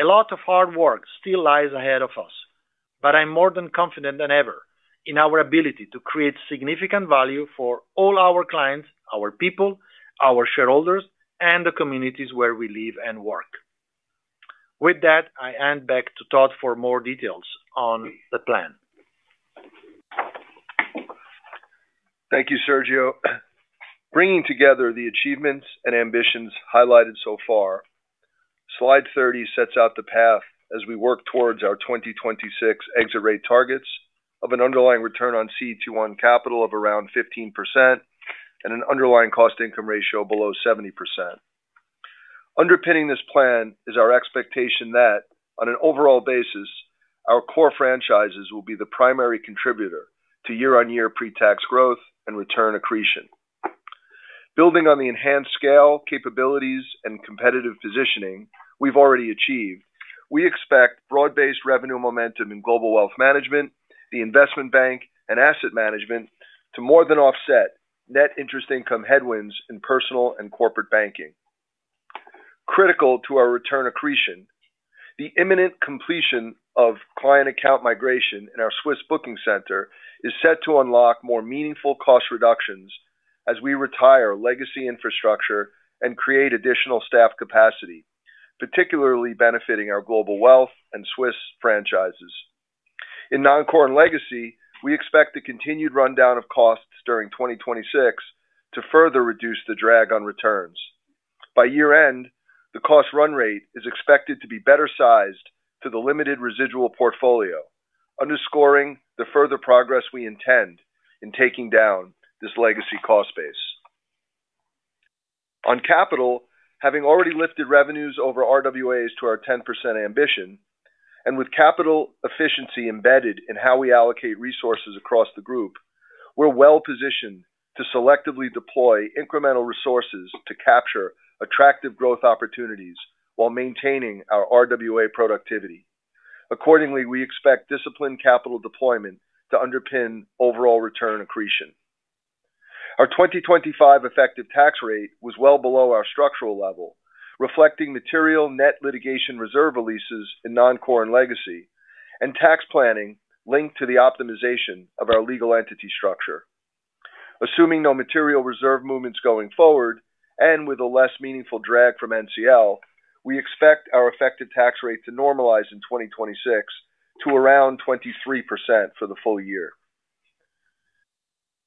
A lot of hard work still lies ahead of us, but I'm more than confident than ever in our ability to create significant value for all our clients, our people, our shareholders, and the communities where we live and work. With that, I hand back to Todd for more details on the plan. Thank you, Sergio. Bringing together the achievements and ambitions highlighted so far, slide 30 sets out the path as we work towards our 2026 exit rate targets of an underlying return on CET1 capital of around 15% and an underlying cost-income ratio below 70%. Underpinning this plan is our expectation that, on an overall basis, our core franchises will be the primary contributor to year-on-year pre-tax growth and return accretion. Building on the enhanced scale capabilities and competitive positioning we've already achieved, we expect broad-based revenue momentum in global wealth management, the investment bank, and asset management to more than offset net interest income headwinds in personal and corporate banking. Critical to our return accretion, the imminent completion of client account migration in our Swiss booking center is set to unlock more meaningful cost reductions as we retire legacy infrastructure and create additional staff capacity, particularly benefiting our global wealth and Swiss franchises. In Non-Core and Legacy, we expect the continued rundown of costs during 2026 to further reduce the drag on returns. By year-end, the cost run rate is expected to be better sized to the limited residual portfolio, underscoring the further progress we intend in taking down this legacy cost base. On capital, having already lifted revenues over RWAs to our 10% ambition and with capital efficiency embedded in how we allocate resources across the group, we're well positioned to selectively deploy incremental resources to capture attractive growth opportunities while maintaining our RWA productivity. Accordingly, we expect disciplined capital deployment to underpin overall return accretion. Our 2025 effective tax rate was well below our structural level, reflecting material net litigation reserve releases in Non-Core and Legacy and tax planning linked to the optimization of our legal entity structure. Assuming no material reserve movements going forward and with a less meaningful drag from NCL, we expect our effective tax rate to normalize in 2026 to around 23% for the full year.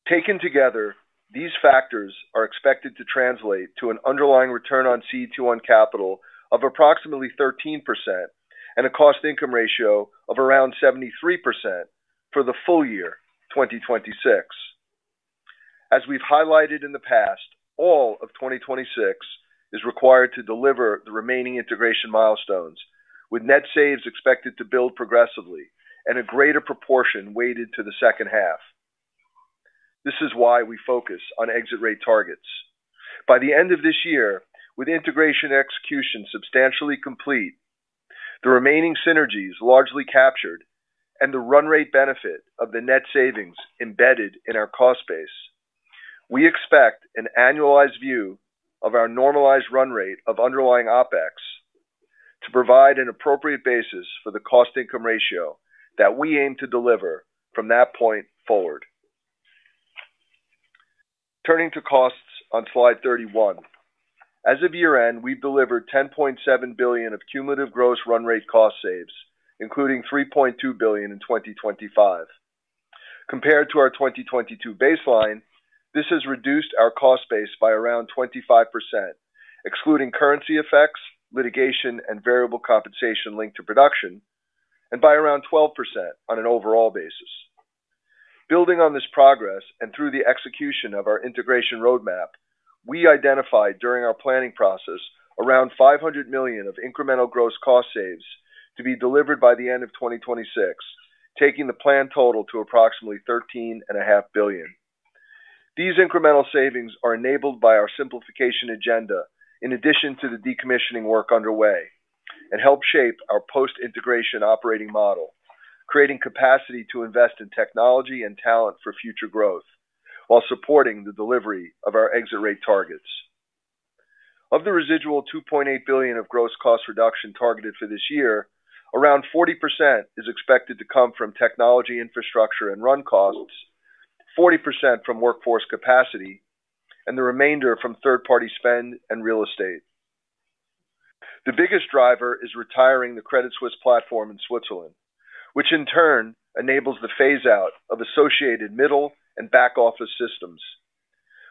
Taken together, these factors are expected to translate to an underlying return on CET1 capital of approximately 13% and a cost-income ratio of around 73% for the full year 2026. As we've highlighted in the past, all of 2026 is required to deliver the remaining integration milestones, with net saves expected to build progressively and a greater proportion weighted to the second half. This is why we focus on exit rate targets. By the end of this year, with integration execution substantially complete, the remaining synergies largely captured, and the run rate benefit of the net savings embedded in our cost base, we expect an annualized view of our normalized run rate of underlying OPEX to provide an appropriate basis for the cost-income ratio that we aim to deliver from that point forward. Turning to costs on slide 31. As of year-end, we've delivered 10.7 billion of cumulative gross run rate cost saves, including 3.2 billion in 2025. Compared to our 2022 baseline, this has reduced our cost base by around 25%, excluding currency effects, litigation, and variable compensation linked to production, and by around 12% on an overall basis. Building on this progress and through the execution of our integration roadmap, we identified during our planning process around 500 million of incremental gross cost saves to be delivered by the end of 2026, taking the plan total to approximately 13.5 billion. These incremental savings are enabled by our simplification agenda in addition to the decommissioning work underway and help shape our post-integration operating model, creating capacity to invest in technology and talent for future growth while supporting the delivery of our exit rate targets. Of the residual 2.8 billion of gross cost reduction targeted for this year, around 40% is expected to come from technology infrastructure and run costs, 40% from workforce capacity, and the remainder from third-party spend and real estate. The biggest driver is retiring the Credit Suisse platform in Switzerland, which in turn enables the phase-out of associated middle and back-office systems.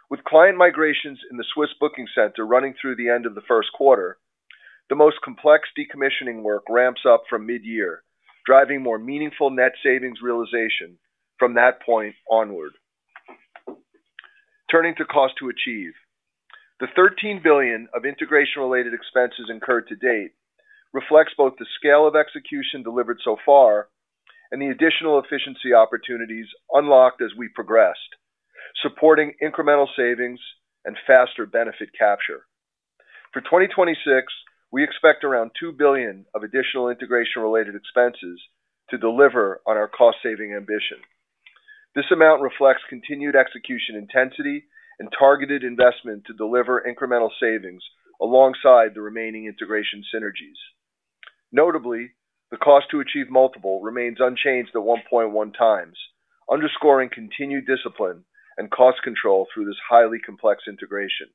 With client migrations in the Swiss booking center running through the end of the first quarter, the most complex decommissioning work ramps up from mid-year, driving more meaningful net savings realization from that point onward. Turning to cost to achieve. The 13 billion of integration-related expenses incurred to date reflects both the scale of execution delivered so far and the additional efficiency opportunities unlocked as we progressed, supporting incremental savings and faster benefit capture. For 2026, we expect around 2 billion of additional integration-related expenses to deliver on our cost-saving ambition. This amount reflects continued execution intensity and targeted investment to deliver incremental savings alongside the remaining integration synergies. Notably, the cost to achieve multiple remains unchanged at 1.1 times, underscoring continued discipline and cost control through this highly complex integration.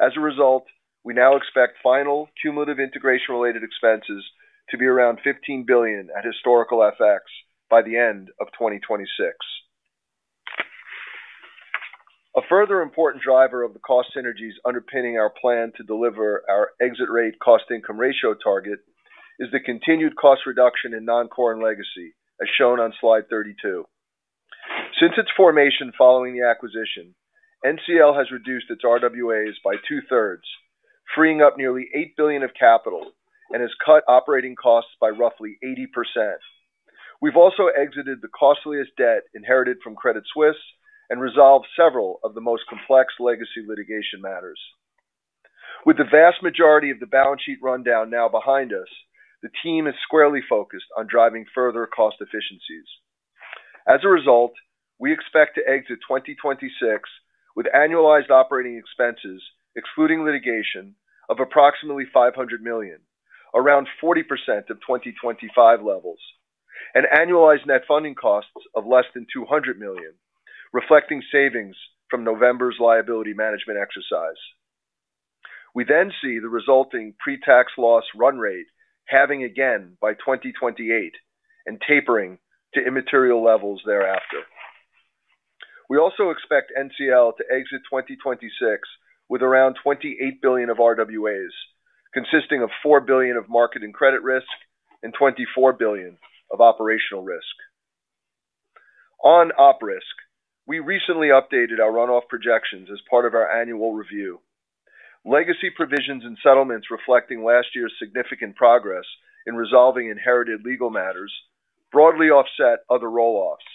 As a result, we now expect final cumulative integration-related expenses to be around 15 billion at historical FX by the end of 2026. A further important driver of the cost synergies underpinning our plan to deliver our exit rate cost-income ratio target is the continued cost reduction in Non-Core and Legacy, as shown on slide 32. Since its formation following the acquisition, NCL has reduced its RWAs by two-thirds, freeing up nearly 8 billion of capital, and has cut operating costs by roughly 80%. We've also exited the costliest debt inherited from Credit Suisse and resolved several of the most complex legacy litigation matters. With the vast majority of the balance sheet rundown now behind us, the team is squarely focused on driving further cost efficiencies. As a result, we expect to exit 2026 with annualized operating expenses, excluding litigation, of approximately 500 million, around 40% of 2025 levels, and annualized net funding costs of less than 200 million, reflecting savings from November's liability management exercise. We then see the resulting pre-tax loss run rate halving again by 2028 and tapering to immaterial levels thereafter. We also expect NCL to exit 2026 with around 28 billion of RWAs, consisting of 4 billion of market and credit risk and 24 billion of operational risk. On op-risk, we recently updated our run-off projections as part of our annual review. Legacy provisions and settlements reflecting last year's significant progress in resolving inherited legal matters broadly offset other rolloffs,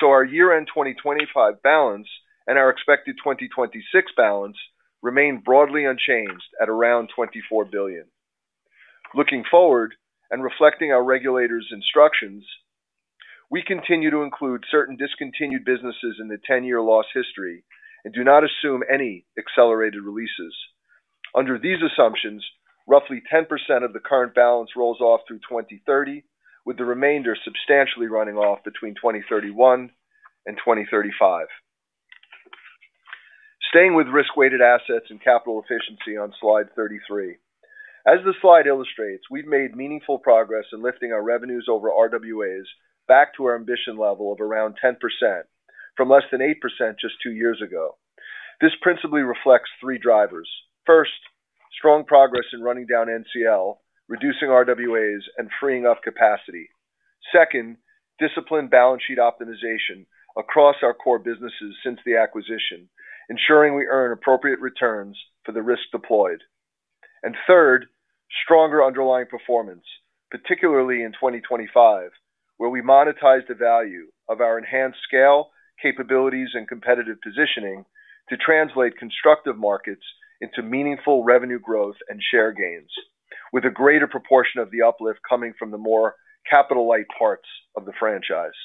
so our year-end 2025 balance and our expected 2026 balance remain broadly unchanged at around 24 billion. Looking forward and reflecting our regulators' instructions, we continue to include certain discontinued businesses in the 10-year loss history and do not assume any accelerated releases. Under these assumptions, roughly 10% of the current balance rolls off through 2030, with the remainder substantially running off between 2031 and 2035. Staying with risk-weighted assets and capital efficiency on slide 33. As the slide illustrates, we've made meaningful progress in lifting our revenues over RWAs back to our ambition level of around 10% from less than 8% just two years ago. This principally reflects three drivers. First, strong progress in running down NCL, reducing RWAs, and freeing up capacity. Second, disciplined balance sheet optimization across our core businesses since the acquisition, ensuring we earn appropriate returns for the risk deployed. Third, stronger underlying performance, particularly in 2025, where we monetized the value of our enhanced scale, capabilities, and competitive positioning to translate constructive markets into meaningful revenue growth and share gains, with a greater proportion of the uplift coming from the more capital-light parts of the franchise.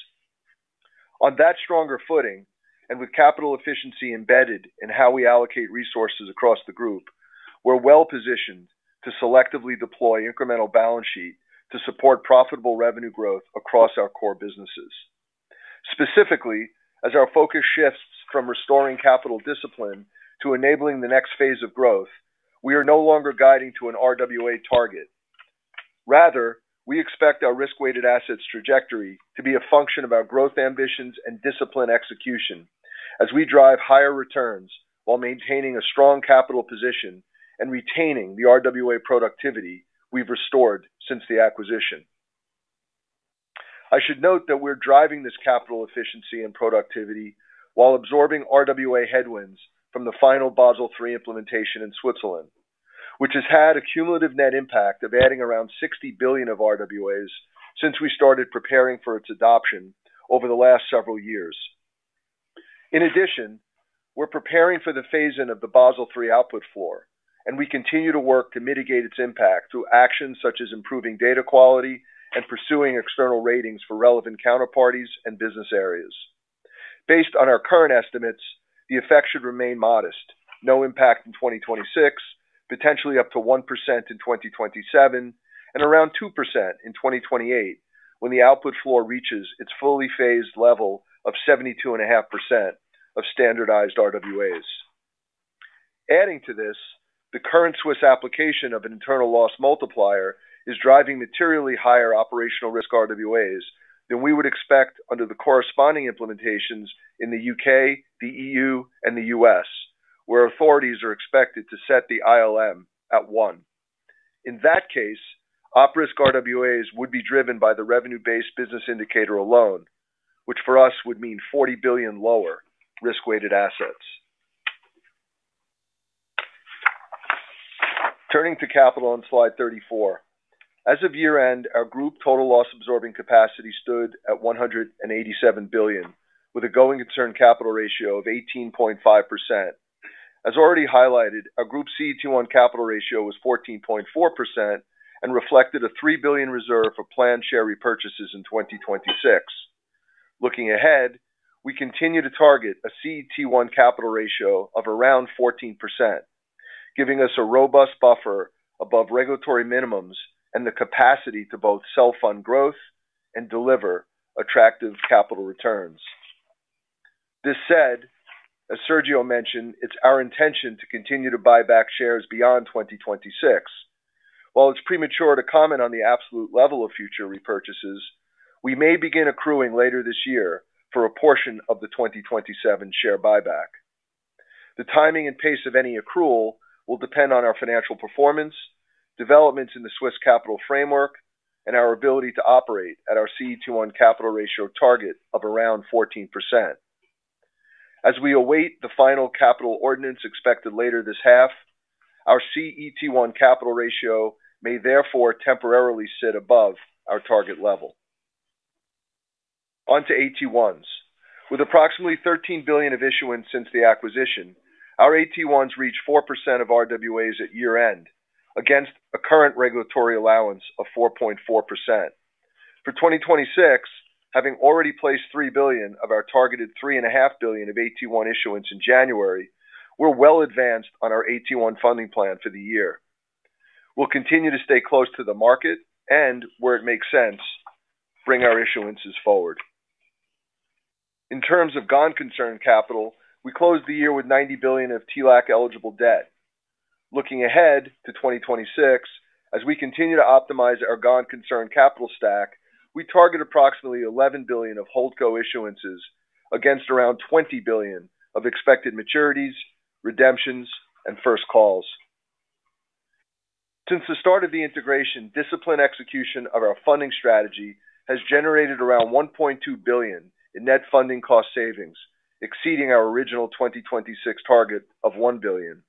On that stronger footing, and with capital efficiency embedded in how we allocate resources across the group, we're well positioned to selectively deploy incremental balance sheet to support profitable revenue growth across our core businesses. Specifically, as our focus shifts from restoring capital discipline to enabling the next phase of growth, we are no longer guiding to an RWA target. Rather, we expect our risk-weighted assets trajectory to be a function of our growth ambitions and discipline execution as we drive higher returns while maintaining a strong capital position and retaining the RWA productivity we've restored since the acquisition. I should note that we're driving this capital efficiency and productivity while absorbing RWA headwinds from the final Basel III implementation in Switzerland, which has had a cumulative net impact of adding around 60 billion of RWAs since we started preparing for its adoption over the last several years. In addition, we're preparing for the phase-in of the Basel III output floor, and we continue to work to mitigate its impact through actions such as improving data quality and pursuing external ratings for relevant counterparties and business areas. Based on our current estimates, the effect should remain modest: no impact in 2026, potentially up to 1% in 2027, and around 2% in 2028 when the output floor reaches its fully phased level of 72.5% of standardized RWAs. Adding to this, the current Swiss application of an internal loss multiplier is driving materially higher operational risk RWAs than we would expect under the corresponding implementations in the U.K., the E.U., and the U.S., where authorities are expected to set the ILM at 1. In that case, op-risk RWAs would be driven by the revenue-based business indicator alone, which for us would mean 40 billion lower risk-weighted assets. Turning to capital on slide 34. As of year-end, our group total loss-absorbing capacity stood at 187 billion, with a going-concern capital ratio of 18.5%. As already highlighted, our group CET1 capital ratio was 14.4% and reflected a 3 billion reserve for planned share repurchases in 2026. Looking ahead, we continue to target a CET1 capital ratio of around 14%, giving us a robust buffer above regulatory minimums and the capacity to both self-fund growth and deliver attractive capital returns. That said, as Sergio mentioned, it's our intention to continue to buy back shares beyond 2026. While it's premature to comment on the absolute level of future repurchases, we may begin accruing later this year for a portion of the 2027 share buyback. The timing and pace of any accrual will depend on our financial performance, developments in the Swiss capital framework, and our ability to operate at our CET1 capital ratio target of around 14%. As we await the final capital ordinance expected later this half, our CET1 capital ratio may therefore temporarily sit above our target level. Onto AT1s. With approximately 13 billion of issuance since the acquisition, our AT1s reach 4% of RWAs at year-end against a current regulatory allowance of 4.4%. For 2026, having already placed 3 billion of our targeted 3.5 billion of AT1 issuance in January, we're well advanced on our AT1 funding plan for the year. We'll continue to stay close to the market and, where it makes sense, bring our issuance forward. In terms of gone-concern capital, we closed the year with 90 billion of TLAC eligible debt. Looking ahead to 2026, as we continue to optimize our gone-concern capital stack, we target approximately 11 billion of HoldCo issuance against around 20 billion of expected maturities, redemptions, and first calls. Since the start of the integration, disciplined execution of our funding strategy has generated around 1.2 billion in net funding cost savings, exceeding our original 2026 target of 1 billion.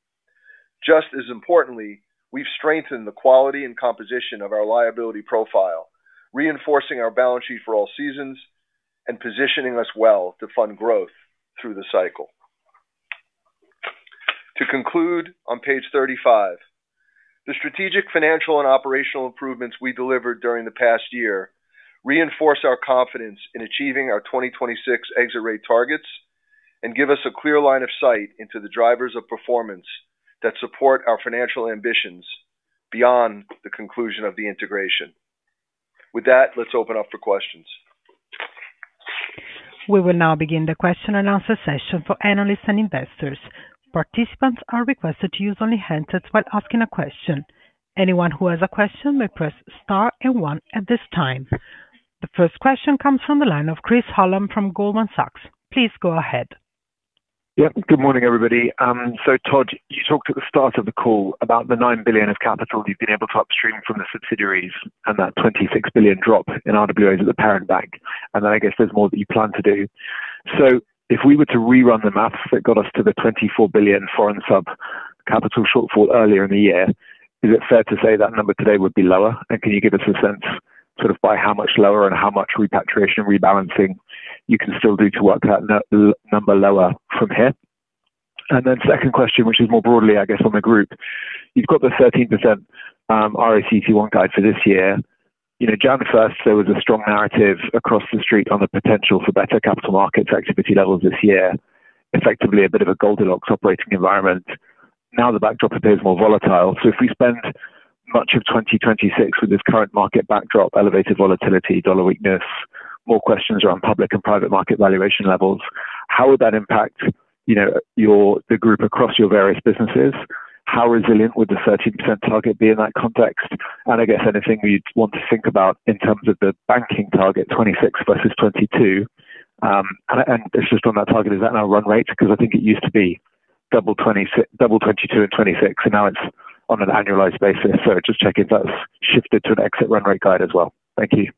Just as importantly, we've strengthened the quality and composition of our liability profile, reinforcing our balance sheet for all seasons and positioning us well to fund growth through the cycle. To conclude on page 35. The strategic financial and operational improvements we delivered during the past year reinforce our confidence in achieving our 2026 exit rate targets and give us a clear line of sight into the drivers of performance that support our financial ambitions beyond the conclusion of the integration. With that, let's open up for questions. We will now begin the question-and-answer session for analysts and investors. Participants are requested to use only hands while asking a question. Anyone who has a question may press star and 1 at this time. The first question comes from the line of Chris Hallam from Goldman Sachs. Please go ahead. Yep. Good morning, everybody. So Todd, you talked at the start of the call about the 9 billion of capital you've been able to upstream from the subsidiaries and that 26 billion drop in RWAs at the Parent Bank, and then I guess there's more that you plan to do. So if we were to rerun the math that got us to the 24 billion foreign sub-capital shortfall earlier in the year, is it fair to say that number today would be lower? And can you give us a sense, sort of by how much lower and how much repatriation and rebalancing you can still do to work that number lower from here? And then second question, which is more broadly, I guess, on the group. You've got the 13% ROCT1 guide for this year. You know, January 1st, there was a strong narrative across the street on the potential for better capital markets activity levels this year, effectively a bit of a Goldilocks operating environment. Now the backdrop appears more volatile. So if we spend much of 2026 with this current market backdrop, elevated volatility, dollar weakness, more questions around public and private market valuation levels, how would that impact, you know, the Group across your various businesses? How resilient would the 13% target be in that context? And I guess anything we'd want to think about in terms of the banking target, 26 versus 22. And it's just on that target. Is that now run rate? 'Cause I think it used to be double 26 double 22 and 26, and now it's on an annualized basis. So just check if that's shifted to an exit run rate guide as well. Thank you.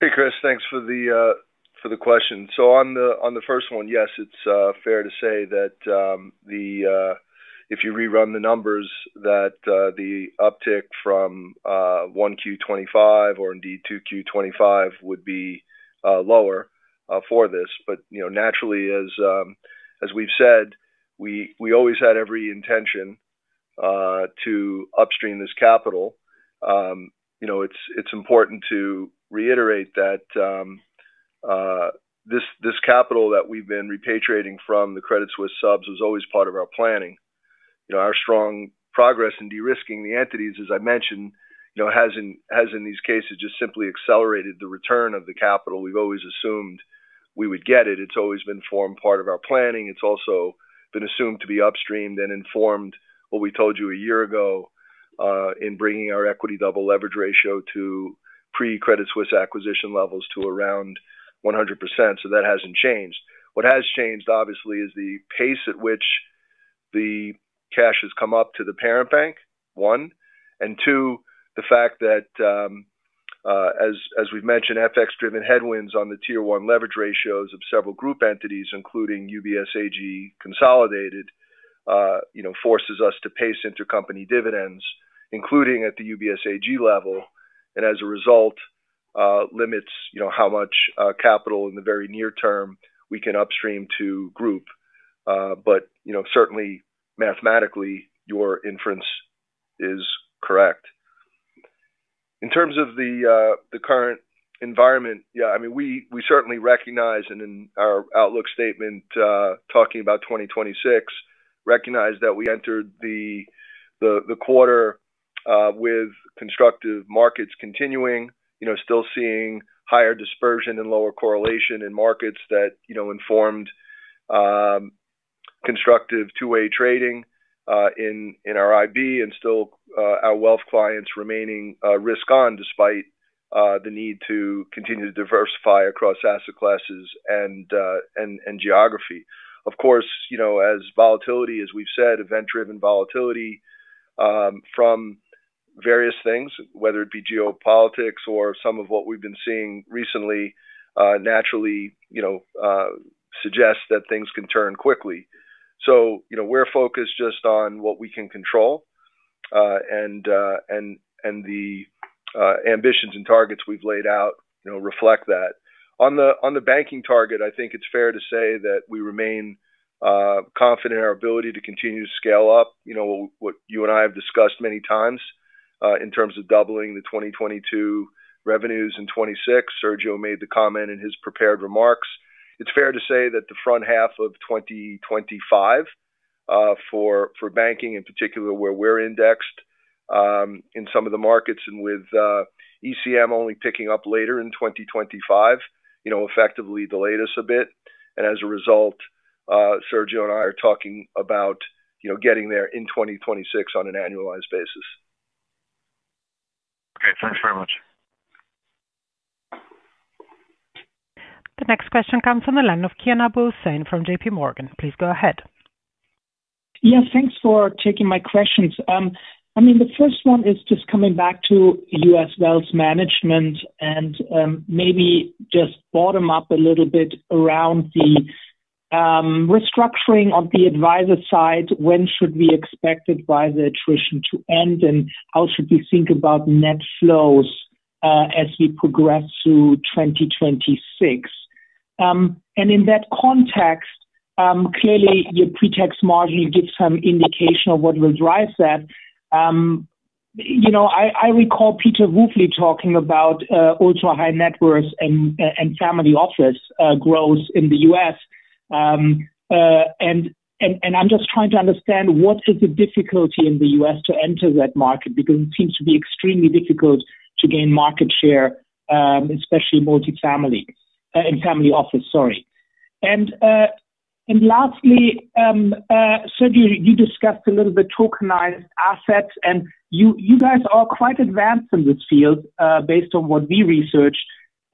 Hey, Chris. Thanks for the question. So on the first one, yes, it's fair to say that if you rerun the numbers, that the uptick from 1Q2025 or indeed 2Q2025 would be lower for this. But you know, naturally, as we've said, we always had every intention to upstream this capital. You know, it's important to reiterate that this capital that we've been repatriating from the Credit Suisse subs was always part of our planning. You know, our strong progress in de-risking the entities, as I mentioned, you know, has in these cases just simply accelerated the return of the capital. We've always assumed we would get it. It's always been part of our planning. It's also been assumed to be upstreamed and informed what we told you a year ago, in bringing our equity double leverage ratio to pre-Credit Suisse acquisition levels to around 100%. So that hasn't changed. What has changed, obviously, is the pace at which the cash has come up to the Parent Bank, one. And two, the fact that, as we've mentioned, FX-driven headwinds on the tier one leverage ratios of several group entities, including UBS AG Consolidated, you know, forces us to pace intercompany dividends, including at the UBS AG level, and as a result, limits, you know, how much capital in the very near term we can upstream to group. But, you know, certainly mathematically, your inference is correct. In terms of the current environment, yeah, I mean, we certainly recognize and in our outlook statement, talking about 2026, recognize that we entered the quarter with constructive markets continuing, you know, still seeing higher dispersion and lower correlation in markets that, you know, informed constructive two-way trading in our IB and still our wealth clients remaining risk-on despite the need to continue to diversify across asset classes and geography. Of course, you know, as volatility, as we've said, event-driven volatility from various things, whether it be geopolitics or some of what we've been seeing recently, naturally, you know, suggests that things can turn quickly. So, you know, we're focused just on what we can control, and the ambitions and targets we've laid out, you know, reflect that. On the banking target, I think it's fair to say that we remain confident in our ability to continue to scale up, you know, what you and I have discussed many times, in terms of doubling the 2022 revenues in 2026. Sergio made the comment in his prepared remarks. It's fair to say that the front half of 2025, for banking, in particular where we're indexed in some of the markets and with ECM only picking up later in 2025, you know, effectively delayed us a bit. And as a result, Sergio and I are talking about, you know, getting there in 2026 on an annualized basis. Okay. Thanks very much. The next question comes from the line of Kian Abouhossein from JPMorgan. Please go ahead. Yes. Thanks for taking my questions. I mean, the first one is just coming back to US Wealth Management and, maybe just bottom up a little bit around the restructuring on the advisor side. When should we expect advisor attrition to end, and how should we think about net flows, as we progress through 2026? In that context, clearly, your pre-tax margin gives some indication of what will drive that. You know, I recall Peter Wuffli talking about ultra-high net worth and I'm just trying to understand what is the difficulty in the US to enter that market because it seems to be extremely difficult to gain market share, especially multifamily in family office, sorry. And lastly, Sergio, you discussed a little bit tokenized assets, and you guys are quite advanced in this field, based on what we researched.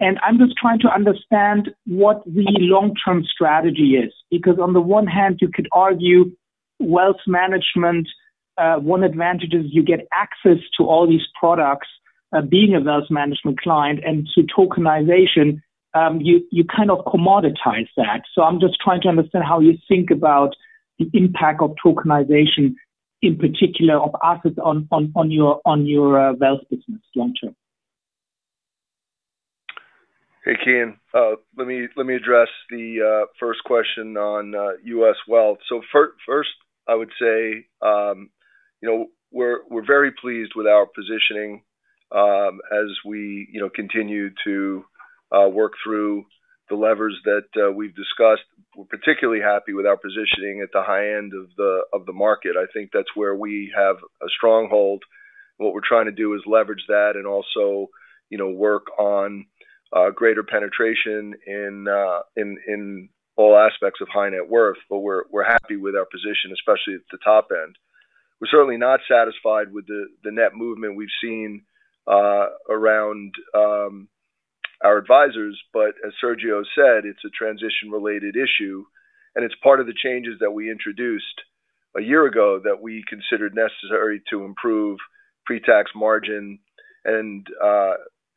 And I'm just trying to understand what the long-term strategy is because on the one hand, you could argue wealth management, one advantage is you get access to all these products, being a wealth management client, and through tokenization, you kind of commoditize that. So I'm just trying to understand how you think about the impact of tokenization, in particular, of assets on your wealth business long term. Hey, Kian. Let me address the first question on U.S. wealth. So first, I would say, you know, we're very pleased with our positioning, as we, you know, continue to work through the levers that we've discussed. We're particularly happy with our positioning at the high end of the market. I think that's where we have a stronghold. What we're trying to do is leverage that and also, you know, work on greater penetration in all aspects of high net worth. But we're happy with our position, especially at the top end. We're certainly not satisfied with the net movement we've seen around our advisors. But as Sergio said, it's a transition-related issue, and it's part of the changes that we introduced a year ago that we considered necessary to improve pretax margin and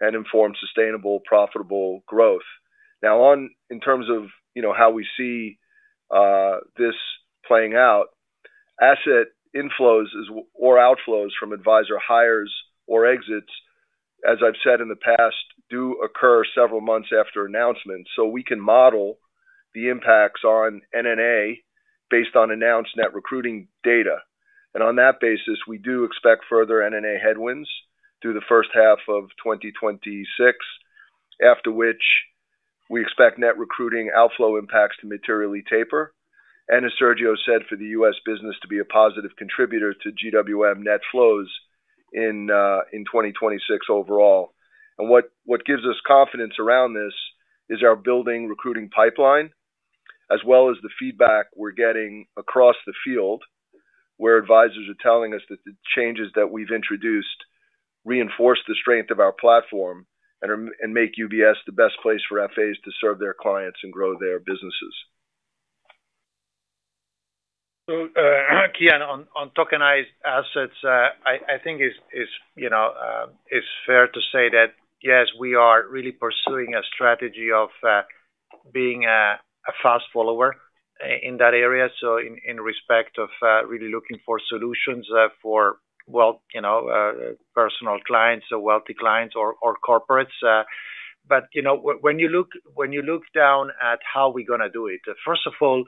inform sustainable, profitable growth. Now, in terms of, you know, how we see this playing out, asset inflows as well or outflows from advisor hires or exits, as I've said in the past, do occur several months after announcement. So we can model the impacts on NNA based on announced net recruiting data. On that basis, we do expect further NNA headwinds through the first half of 2026, after which we expect net recruiting outflow impacts to materially taper. As Sergio said, for the US business to be a positive contributor to GWM net flows in 2026 overall. What gives us confidence around this is our building recruiting pipeline as well as the feedback we're getting across the field where advisors are telling us that the changes that we've introduced reinforce the strength of our platform and make UBS the best place for FAs to serve their clients and grow their businesses. So, Kian, on tokenized assets, I think it is, you know, fair to say that, yes, we are really pursuing a strategy of being a fast follower in that area, so in respect of really looking for solutions for wealth, you know, personal clients, wealthy clients, or corporates. But, you know, when you look down at how we're gonna do it, first of all,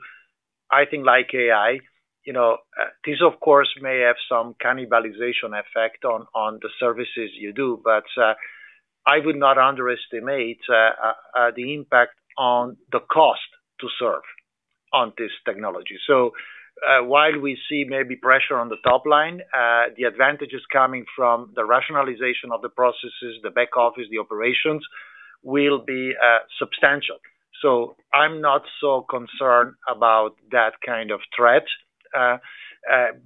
I think like AI, you know, this, of course, may have some cannibalization effect on the services you do. But, I would not underestimate the impact on the cost to serve on this technology. So I'm not so concerned about that kind of threat.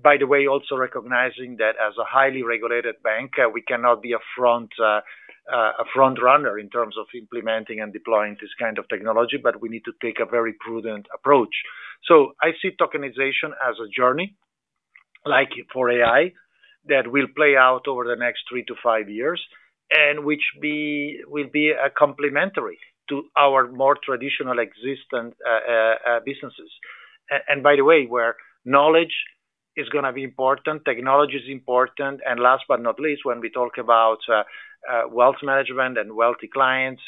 By the way, also recognizing that as a highly regulated bank, we cannot be a front, a front runner in terms of implementing and deploying this kind of technology, but we need to take a very prudent approach. So I see tokenization as a journey, like for AI, that will play out over the next three to five years and which will be a complement to our more traditional existing businesses. And by the way, where knowledge is gonna be important, technology's important, and last but not least, when we talk about wealth management and wealthy clients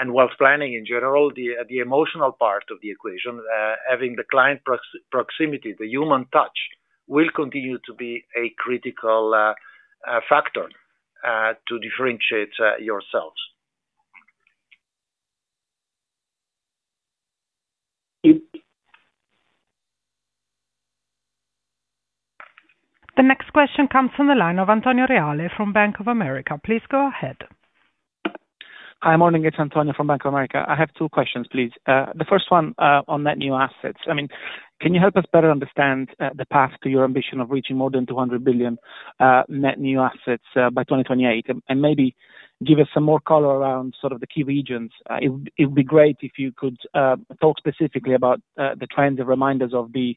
and wealth planning in general, the emotional part of the equation, having the client proximity, the human touch, will continue to be a critical factor to differentiate ourselves. The next question comes from the line of Antonio Reale from Bank of America. Please go ahead. Hi, morning. It's Antonio from Bank of America. I have two questions, please. The first one on net new assets. I mean, can you help us better understand the path to your ambition of reaching more than $200 billion net new assets by 2028? And maybe give us some more color around sort of the key regions. It would be great if you could talk specifically about the trends and the measures of the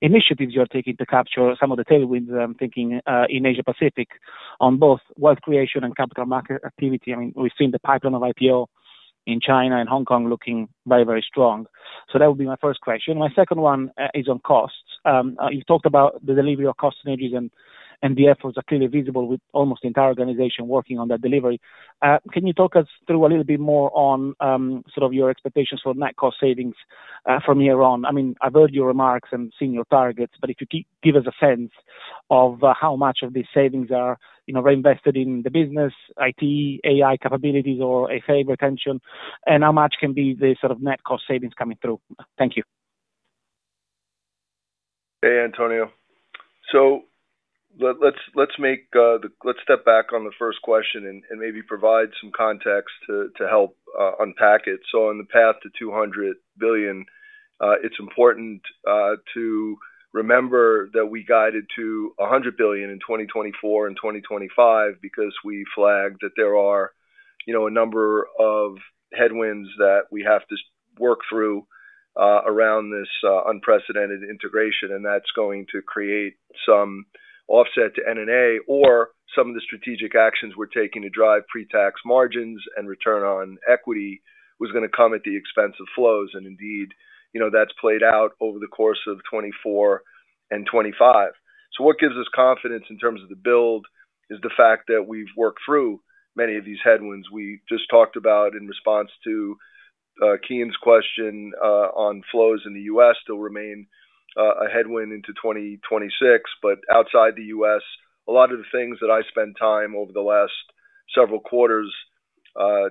initiatives you're taking to capture some of the tailwinds, I'm thinking, in Asia-Pacific on both wealth creation and capital market activity. I mean, we've seen the pipeline of IPOs in China and Hong Kong looking very, very strong. So that would be my first question. My second one is on costs. You've talked about the delivery of cost synergies and the efforts are clearly visible with almost the entire organization working on that delivery. Can you talk us through a little bit more on, sort of your expectations for net cost savings, from year on? I mean, I've heard your remarks and seen your targets, but if you keep give us a sense of, how much of these savings are, you know, reinvested in the business, IT, AI capabilities, or FA retention, and how much can be the sort of net cost savings coming through. Thank you. Hey, Antonio. So let's step back on the first question and maybe provide some context to help unpack it. So on the path to $200 billion, it's important to remember that we guided to $100 billion in 2024 and 2025 because we flagged that there are, you know, a number of headwinds that we have to work through, around this unprecedented integration. And that's going to create some offset to NNA or some of the strategic actions we're taking to drive pretax margins and return on equity was gonna come at the expense of flows. And indeed, you know, that's played out over the course of 2024 and 2025. So what gives us confidence in terms of the build is the fact that we've worked through many of these headwinds. We just talked about in response to Kian's question, on flows in the U.S., still remain a headwind into 2026. But outside the US, a lot of the things that I spent time over the last several quarters,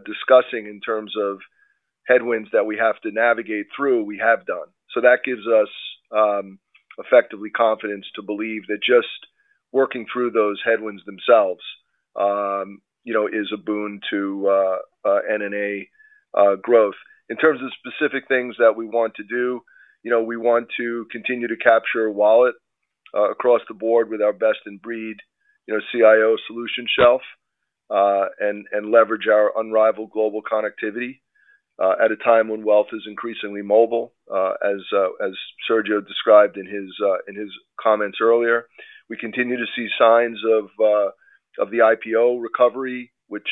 discussing in terms of headwinds that we have to navigate through, we have done. So that gives us, effectively confidence to believe that just working through those headwinds themselves, you know, is a boon to NNA growth. In terms of specific things that we want to do, you know, we want to continue to capture wallet across the board with our best-in-breed, you know, CIO solution shelf, and leverage our unrivaled global connectivity, at a time when wealth is increasingly mobile, as Sergio described in his comments earlier. We continue to see signs of the IPO recovery, which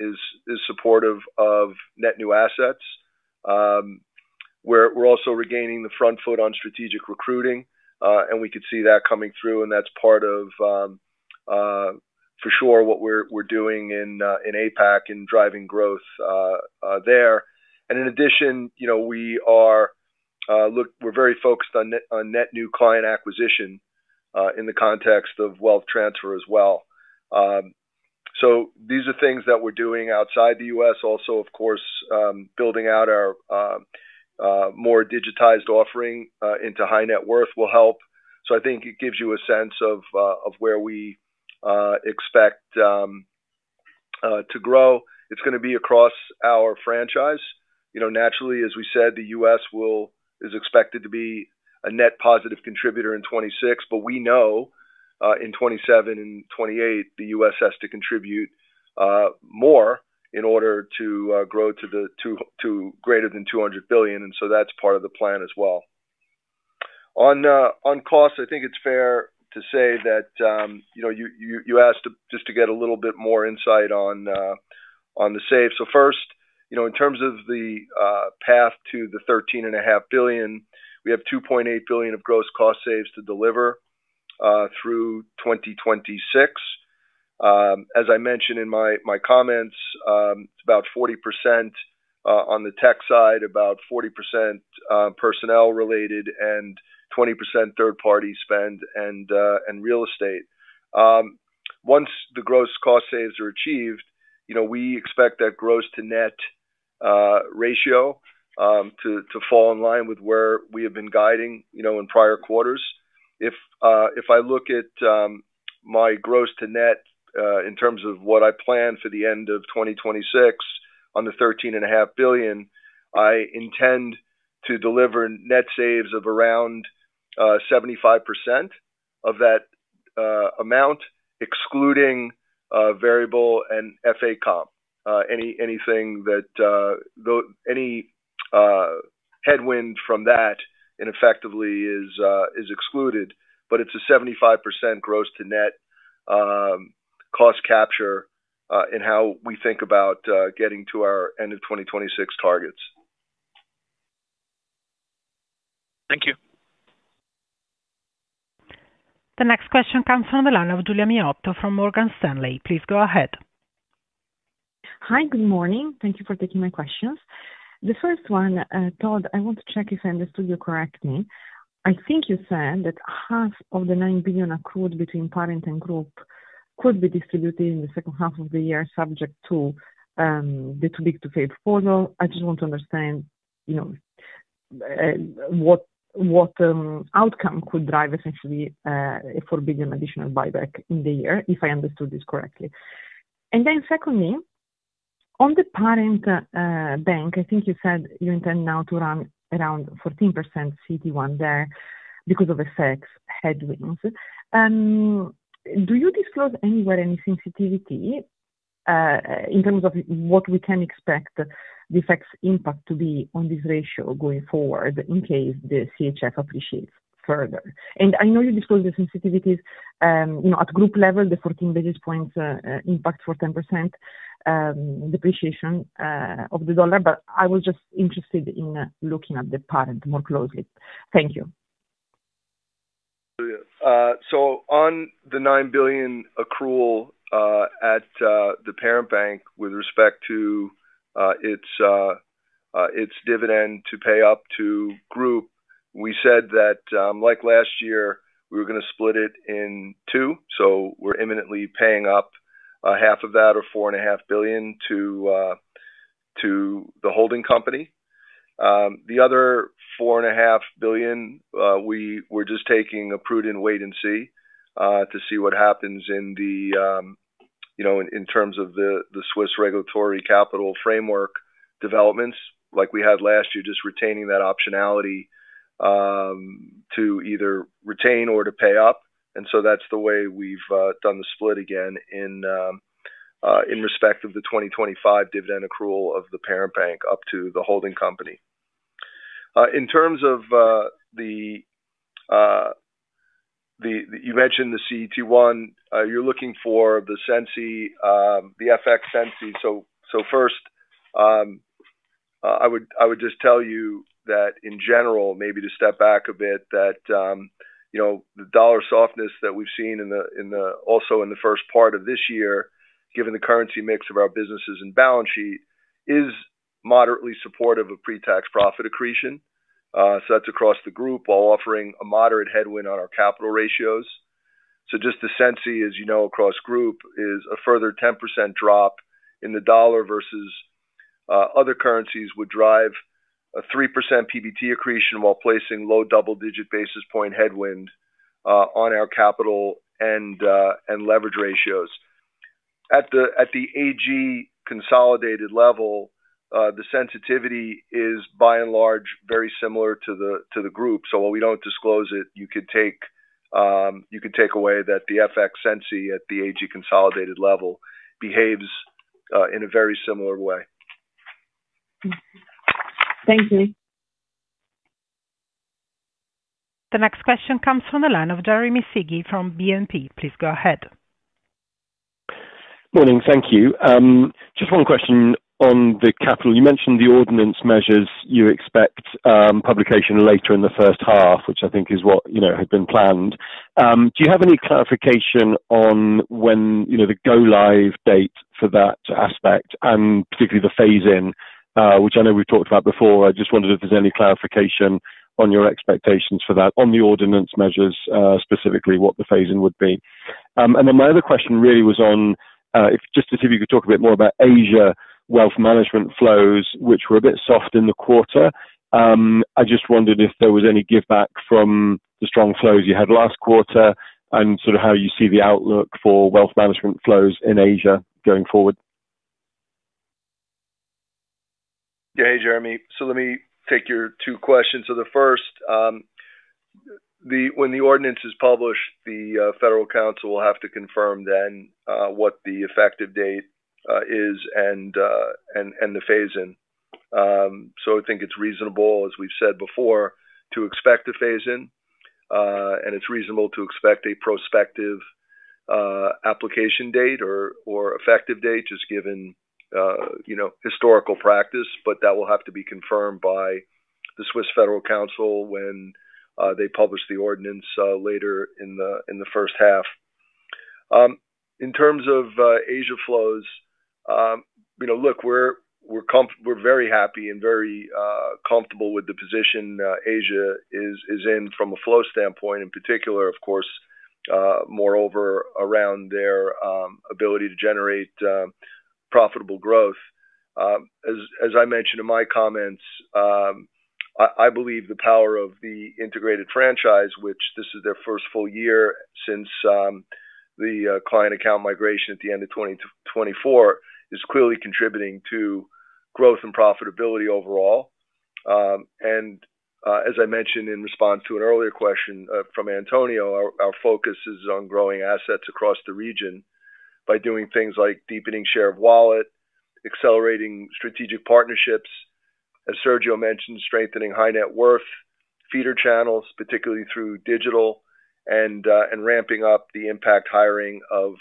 is supportive of net new assets. We're also regaining the front foot on strategic recruiting, and we could see that coming through. And that's part of, for sure, what we're doing in APAC and driving growth there. And in addition, you know, we are, look we're very focused on net new client acquisition, in the context of wealth transfer as well. So these are things that we're doing outside the US. Also, of course, building out our more digitized offering into high net worth will help. So I think it gives you a sense of where we expect to grow. It's gonna be across our franchise. You know, naturally, as we said, the US is expected to be a net positive contributor in 2026. But we know, in 2027 and 2028, the US has to contribute more in order to grow to greater than $200 billion. And so that's part of the plan as well. On costs, I think it's fair to say that, you know, you asked to just get a little bit more insight on the saves. So first, you know, in terms of the path to the 13.5 billion, we have 2.8 billion of gross cost saves to deliver through 2026. As I mentioned in my comments, it's about 40% on the tech side, about 40% personnel-related, and 20% third-party spend and real estate. Once the gross cost saves are achieved, you know, we expect that gross-to-net ratio to fall in line with where we have been guiding, you know, in prior quarters. If I look at my gross-to-net, in terms of what I plan for the end of 2026 on the 13.5 billion, I intend to deliver net saves of around 75% of that amount excluding variable and FA comp, anything that though any headwind from that is effectively excluded. But it's a 75% gross-to-net cost capture in how we think about getting to our end-of-2026 targets. Thank you. The next question comes from the line of Giulia Miotto from Morgan Stanley. Please go ahead. Hi. Good morning. Thank you for taking my questions. The first one, Todd, I want to check if I understood you correctly. I think you said that CHF 4.5 billion of the 9 billion accrued between Parent and Group could be distributed in the second half of the year subject to the Too Big to Fail hurdle. I just want to understand, you know, what outcome could drive, essentially, a 4 billion additional buyback in the year, if I understood this correctly. And then secondly, on the Parent Bank, I think you said you intend now to run around 14% CET1 there because of FX headwinds. Do you disclose anywhere any sensitivity, in terms of what we can expect the FX impact to be on this ratio going forward in case the CHF appreciates further? And I know you disclose the sensitivities, you know, at group level, the 14 basis points impact for 10% depreciation of the dollar. But I was just interested in looking at the Parent more closely. Thank you. So on the 9 billion accrual at the Parent Bank with respect to its dividend to pay up to Group, we said that, like last year, we were gonna split it in two. So we're imminently paying up half of that, or 4.5 billion, to the holding company. The other 4.5 billion, we're just taking a prudent wait and see, to see what happens in the, you know, in terms of the Swiss regulatory capital framework developments like we had last year, just retaining that optionality, to either retain or to pay up. And so that's the way we've done the split again in respect of the 2025 dividend accrual of the Parent Bank up to the holding company. In terms of the one you mentioned, the CET1. You're looking for the sensitivity, the FX sensitivity. So first, I would just tell you that, in general, maybe to step back a bit, that, you know, the dollar softness that we've seen in the first part of this year, given the currency mix of our businesses and balance sheet, is moderately supportive of pre-tax profit accretion. So that's across the group while offering a moderate headwind on our capital ratios. So just the sensitivity, as you know, across Group, is a further 10% drop in the dollar versus other currencies would drive a 3% PBT accretion while placing low double-digit basis point headwind on our capital and leverage ratios. At the AG consolidated level, the sensitivity is, by and large, very similar to the Group. So while we don't disclose it, you could take, you could take away that the FX sensitivity at the AG consolidated level behaves in a very similar way. Thank you. The next question comes from the line of Jeremy Sigee from BNP Paribas. Please go ahead. Morning. Thank you. Just one question on the capital. You mentioned the ordinance measures you expect, publication later in the first half, which I know we've talked about before. Do you have any clarification on when, you know, the go-live date for that aspect and particularly the phase-in, which I know we've talked about before? I just wondered if there's any clarification on your expectations for that, on the ordinance measures, specifically, what the phase-in would be. And then my other question really was on if just to see if you could talk a bit more about Asia wealth management flows, which were a bit soft in the quarter. I just wondered if there was any give back from the strong flows you had last quarter and sort of how you see the outlook for wealth management flows in Asia going forward. Yeah, Jeremy. So let me take your two questions. So the first, the when the ordinance is published, the Federal Council will have to confirm then what the effective date is and the phase-in. So I think it's reasonable, as we've said before, to expect a phase-in. And it's reasonable to expect a prospective application date or effective date, just given you know historical practice. But that will have to be confirmed by the Swiss federal council when they publish the ordinance later in the first half. In terms of Asia flows, you know, look, we're very happy and very comfortable with the position Asia is in from a flow standpoint in particular, of course, moreover around their ability to generate profitable growth. As I mentioned in my comments, I believe the power of the integrated franchise, which this is their first full year since the client account migration at the end of 2024, is clearly contributing to growth and profitability overall. and, as I mentioned in response to an earlier question, from Antonio, our focus is on growing assets across the region by doing things like deepening share of wallet, accelerating strategic partnerships, as Sergio mentioned, strengthening high net worth feeder channels, particularly through digital, and ramping up the impact hiring of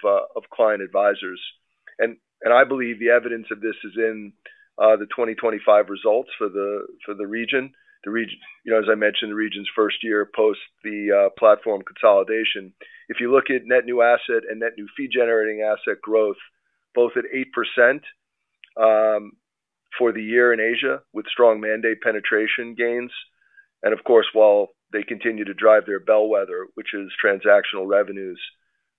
client advisors. And I believe the evidence of this is in the 2025 results for the region, you know, as I mentioned, the region's first year post the platform consolidation. If you look at net new asset and net new fee-generating asset growth, both at 8%, for the year in Asia with strong mandate penetration gains. And of course, while they continue to drive their bellwether, which is transactional revenues,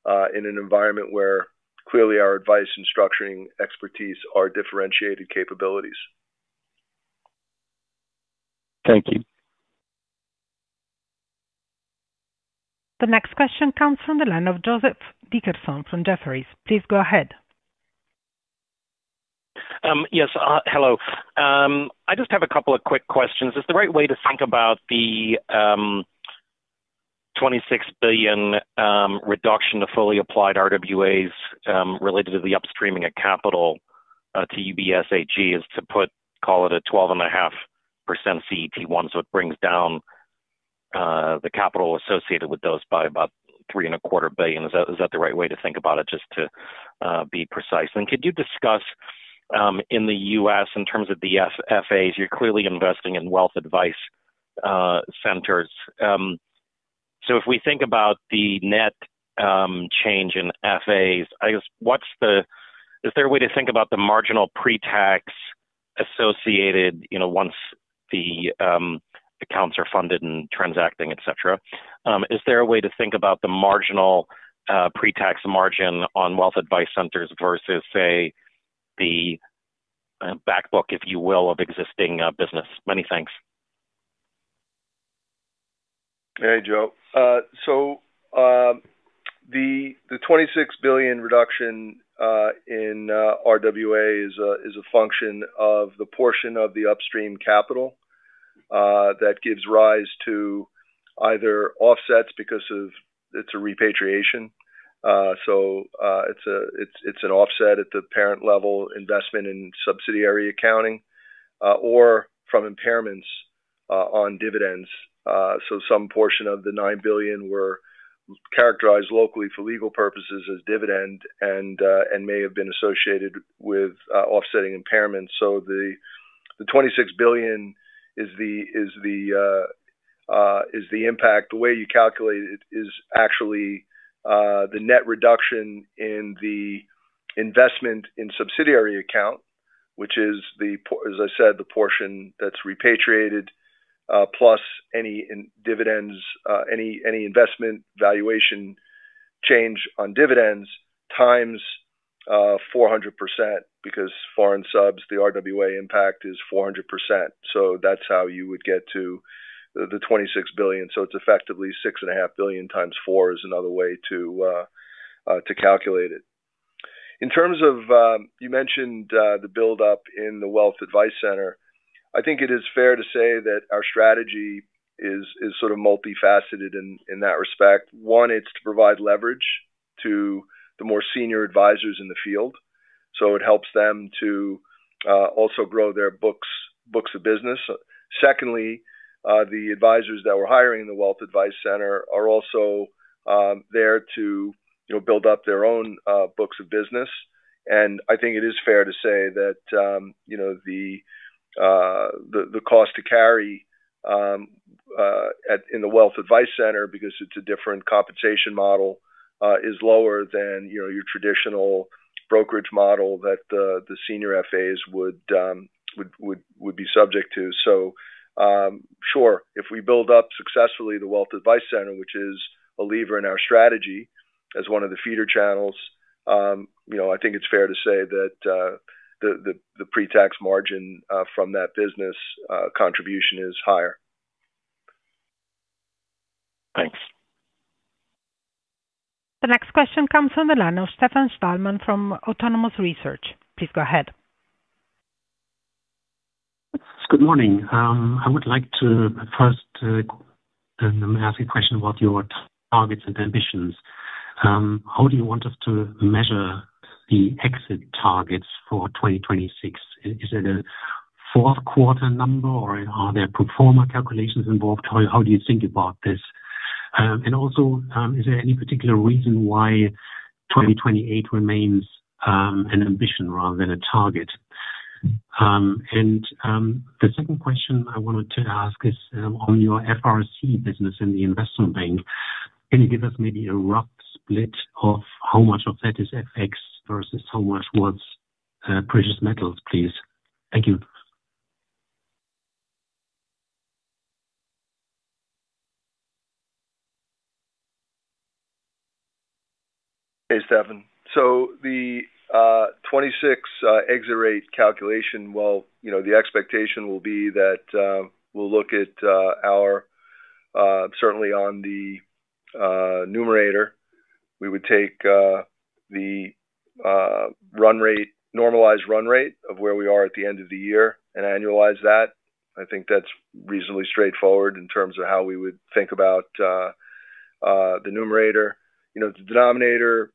in an environment where clearly our advice and structuring expertise are differentiated capabilities. Thank you. The next question comes from the line of Joseph Dickerson from Jefferies. Please go ahead. Yes. Hello. I just have a couple of quick questions. Is the right way to think about the 26 billion reduction to fully applied RWAs, related to the upstreaming of capital to UBS AG, to put call it a 12.5% CET1? So it brings down the capital associated with those by about 3.25 billion. Is that the right way to think about it, just to be precise? And could you discuss, in the US, in terms of the FAs, you're clearly investing in Wealth Advice Centers. So if we think about the net change in FAs, I guess, what's the, is there a way to think about the marginal pretax associated, you know, once the accounts are funded and transacting, etc.? Is there a way to think about the marginal, pretax margin on wealth advice centers versus, say, the backbook, if you will, of existing business? Many thanks. Hey, Joe. So, the 26 billion reduction in RWA is a function of the portion of the upstream capital that gives rise to either offsets because of it's a repatriation. So, it's an offset at the parent level, investment in subsidiary accounting, or from impairments on dividends. So some portion of the 9 billion were characterized locally for legal purposes as dividend and may have been associated with offsetting impairments. So the 26 billion is the impact. The way you calculate it is actually the net reduction in the investment in subsidiary account, which is the portion, as I said, the portion that's repatriated, plus any dividends, any investment valuation change on dividends times 400% because foreign subs, the RWA impact is 400%. So that's how you would get to the 26 billion. So it's effectively 6.5 billion times 4 is another way to calculate it. In terms of you mentioned the buildup in the Wealth Advice Center. I think it is fair to say that our strategy is sort of multifaceted in that respect. One, it's to provide leverage to the more senior advisors in the field. So it helps them to also grow their books of business. Secondly, the advisors that were hiring the Wealth Advice Center are also there to, you know, build up their own books of business. And I think it is fair to say that, you know, the cost to carry at the Wealth Advice Center because it's a different compensation model is lower than, you know, your traditional brokerage model that the senior FAs would be subject to. So, sure, if we build up successfully the Wealth Advice Center, which is a lever in our strategy as one of the feeder channels, you know, I think it's fair to say that the pre-tax margin from that business contribution is higher. Thanks. The next question comes from the line of Stefan Stalmann from Autonomous Research. Please go ahead. Good morning. I would like to first ask a question about your targets and ambitions. How do you want us to measure the exit targets for 2026? Is it a fourth-quarter number, or are there pro forma calculations involved? How do you think about this? And also, is there any particular reason why 2028 remains an ambition rather than a target? And the second question I wanted to ask is on your FRC business in the investment bank. Can you give us maybe a rough split of how much of that is FX versus how much was precious metals, please? Thank you. Hey, Stefan. So the 26 exit rate calculation—well, you know, the expectation will be that we'll look at our certainly on the numerator, we would take the run rate normalized run rate of where we are at the end of the year and annualize that. I think that's reasonably straightforward in terms of how we would think about the numerator. You know, the denominator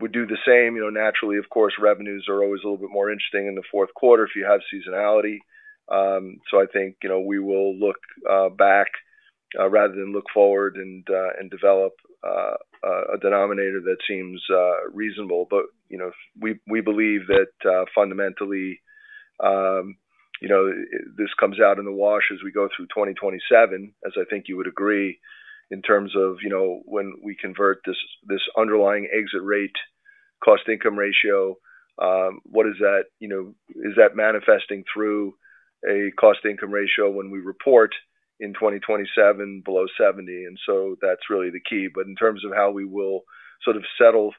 would do the same. You know, naturally, of course, revenues are always a little bit more interesting in the fourth quarter if you have seasonality. So I think, you know, we will look back, rather than look forward and develop a denominator that seems reasonable. But, you know, we believe that, fundamentally, you know, it. This comes out in the wash as we go through 2027, as I think you would agree, in terms of, you know, when we convert this, this underlying exit rate cost-income ratio, what is that, you know? Is that manifesting through a cost-income ratio when we report in 2027 below 70%? And so that's really the key. But in terms of how we will sort of settle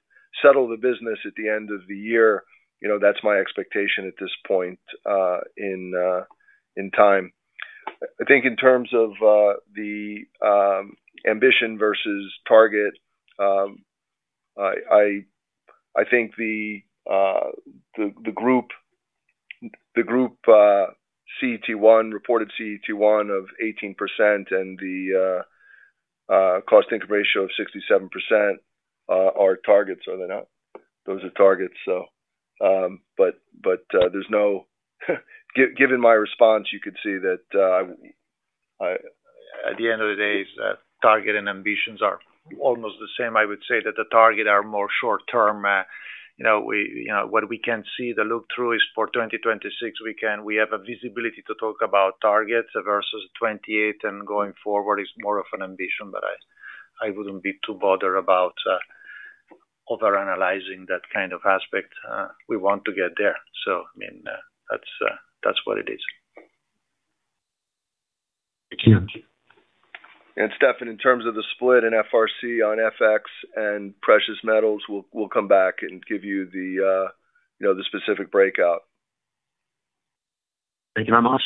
the business at the end of the year, you know, that's my expectation at this point in time. I think in terms of the ambition versus target, I think the group's reported CET1 of 18% and the cost-income ratio of 67% are targets, are they not? Those are targets, so. But there's no give, given my response, you could see that, I at the end of the day, it's that targets and ambitions are almost the same. I would say that the targets are more short-term. You know, what we can see, the look-through is for 2026, we have a visibility to talk about targets versus 2028 and going forward is more of an ambition that I wouldn't be too bothered about overanalyzing that kind of aspect. We want to get there. So, I mean, that's what it is. Thank you. Stefan, in terms of the split in FRC on FX and precious metals, we'll come back and give you the, you know, the specific breakout. Thank you very much.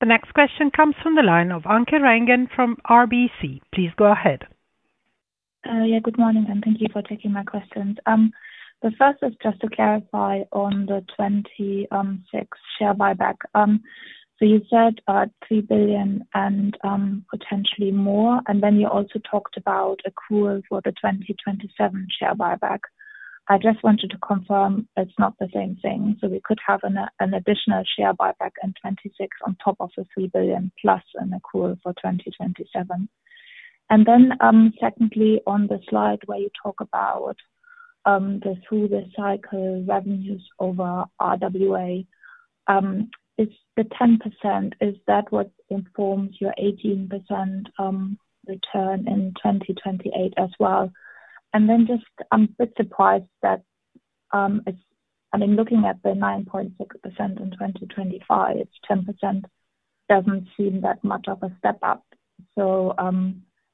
The next question comes from the line of Anke Reingen from RBC. Please go ahead. Yeah, good morning, and thank you for taking my questions. The first is just to clarify on the 2026 share buyback. So you said 3 billion and potentially more. And then you also talked about an accrual for the 2027 share buyback. I just wanted to confirm it's not the same thing. So we could have an additional share buyback in 2026 on top of the 3 billion plus an accrual for 2027. And then, secondly, on the slide where you talk about the through-the-cycle revenues over RWA, is the 10%, is that what informs your 18% return in 2028 as well? Then just I'm a bit surprised that, it's I mean, looking at the 9.6% in 2025, it's 10% doesn't seem that much of a step up. So,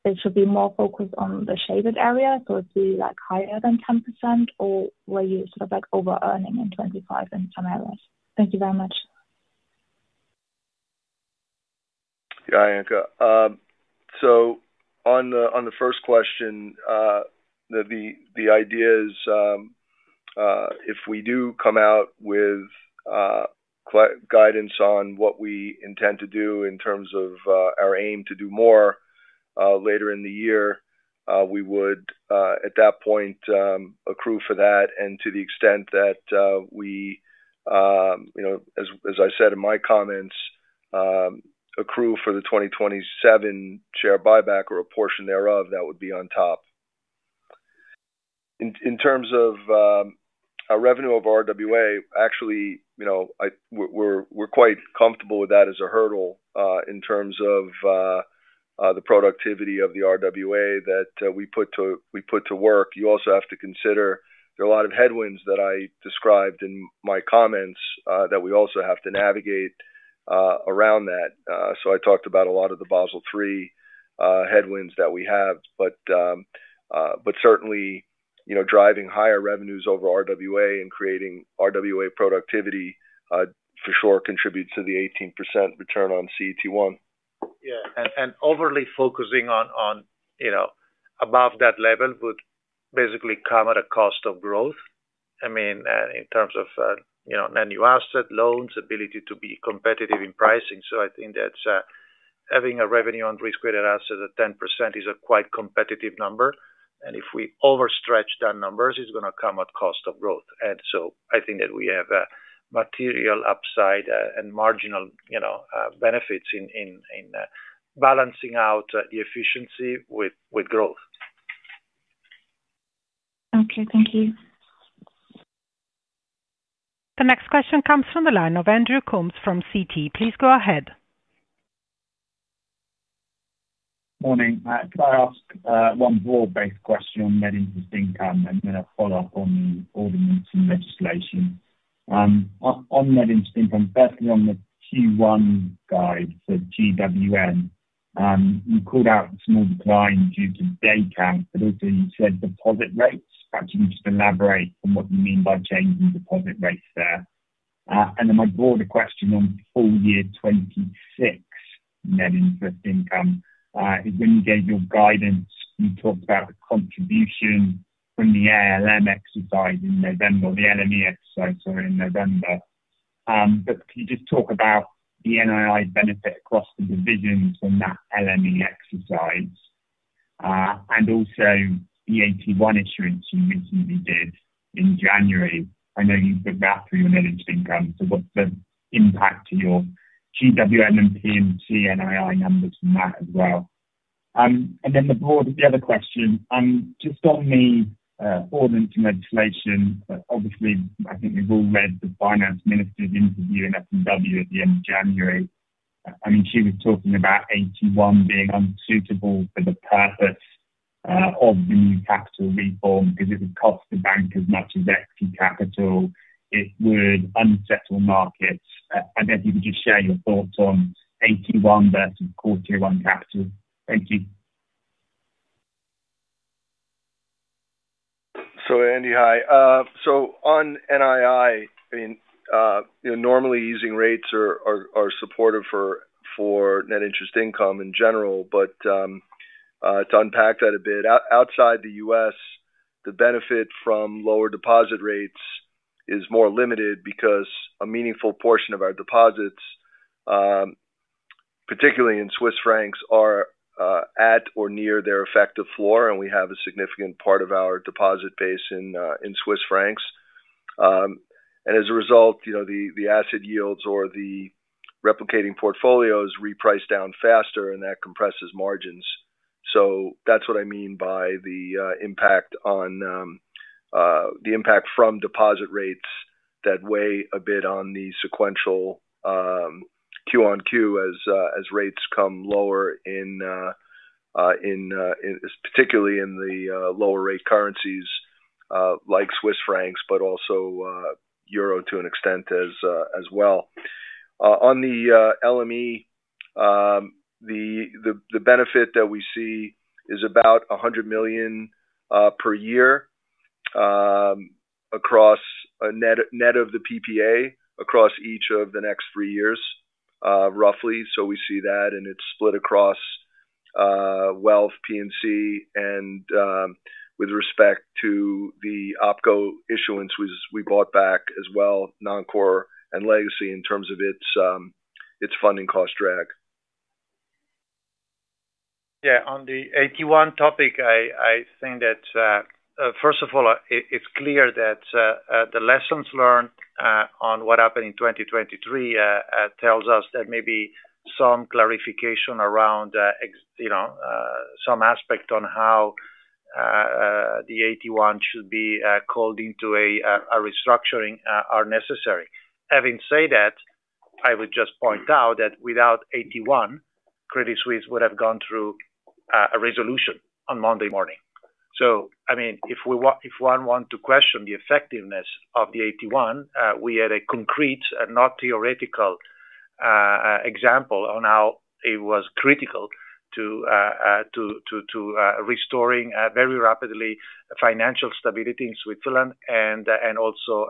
it should be more focused on the shaded area. So it'd be, like, higher than 10%, or were you sort of, like, over-earning in 2025 in some areas? Thank you very much. Yeah, Anke. So on the first question, the idea is, if we do come out with clear guidance on what we intend to do in terms of our aim to do more, later in the year, we would, at that point, accrue for that. And to the extent that, we, you know, as I said in my comments, accrue for the 2027 share buyback or a portion thereof, that would be on top. In terms of our revenue over RWA, actually, you know, we're quite comfortable with that as a hurdle, in terms of the productivity of the RWA that we put to work. You also have to consider there are a lot of headwinds that I described in my comments that we also have to navigate around that. So I talked about a lot of the Basel III headwinds that we have. But certainly, you know, driving higher revenues over RWA and creating RWA productivity for sure contributes to the 18% return on CET1. Yeah. And overly focusing on, you know, above that level would basically come at a cost of growth. I mean, in terms of, you know, an annual asset, loans, ability to be competitive in pricing. So I think that's, having a revenue on risk-weighted assets at 10% is a quite competitive number. And if we overstretch that number, it's gonna come at cost of growth. And so I think that we have material upside, and marginal, you know, benefits in balancing out the efficiency with growth. Okay. Thank you. The next question comes from the line of Andrew Coombs from Citi. Please go ahead. Morning, Matt. Can I ask one broad-based question on net interest income and then a follow-up on the ordinance and legislation? On net interest income, especially on the Q1 guide for GWM, you called out a small decline due to day count, but also you said deposit rates. Perhaps you can just elaborate on what you mean by changing deposit rates there. And then my broader question on full year 2026 net interest income is, when you gave your guidance, you talked about the contribution from the ALM exercise in November or the LME exercise, sorry, in November. But can you just talk about the NII benefit across the divisions from that LME exercise, and also the AT1 issuance you recently did in January? I know you've looked that through on net interest income. So what's the impact to your GWM and P&C NII numbers from that as well? And then the broader the other question, just on the ordinance and legislation, obviously, I think we've all read the finance minister's interview in FuW at the end of January. I mean, she was talking about AT1 being unsuitable for the purpose of the new capital reform because it would cost the bank as much as equity capital. It would unsettle markets. I guess you could just share your thoughts on Q1 versus quarter one capital. Thank you. So, Andy, hi. So on NII, I mean, you know, normally, easing rates are supportive for net interest income in general. But, to unpack that a bit, outside the U.S., the benefit from lower deposit rates is more limited because a meaningful portion of our deposits, particularly in Swiss francs, are at or near their effective floor. And we have a significant part of our deposit base in Swiss francs. And as a result, you know, the asset yields or the replicating portfolios reprice down faster, and that compresses margins. So that's what I mean by the impact from deposit rates that weigh a bit on the sequential Q on Q as rates come lower in particularly in the lower-rate currencies, like Swiss francs, but also euro to an extent as well. On the LME, the benefit that we see is about 100 million per year, across a net of the PPA across each of the next three years, roughly. So we see that. And it's split across Wealth, P&C, and with respect to the OpCo issuance, we bought back as well Non-Core and Legacy in terms of its funding cost drag. Yeah. On the '81 topic, I think that, first of all, it's clear that the lessons learned on what happened in 2023 tells us that maybe some clarification around, e.g., you know, some aspect on how the '81 should be called into a restructuring are necessary. Having said that, I would just point out that without '81, Credit Suisse would have gone through a resolution on Monday morning. So, I mean, if one want to question the effectiveness of the '81, we had a concrete and not theoretical example on how it was critical to restoring very rapidly financial stability in Switzerland and also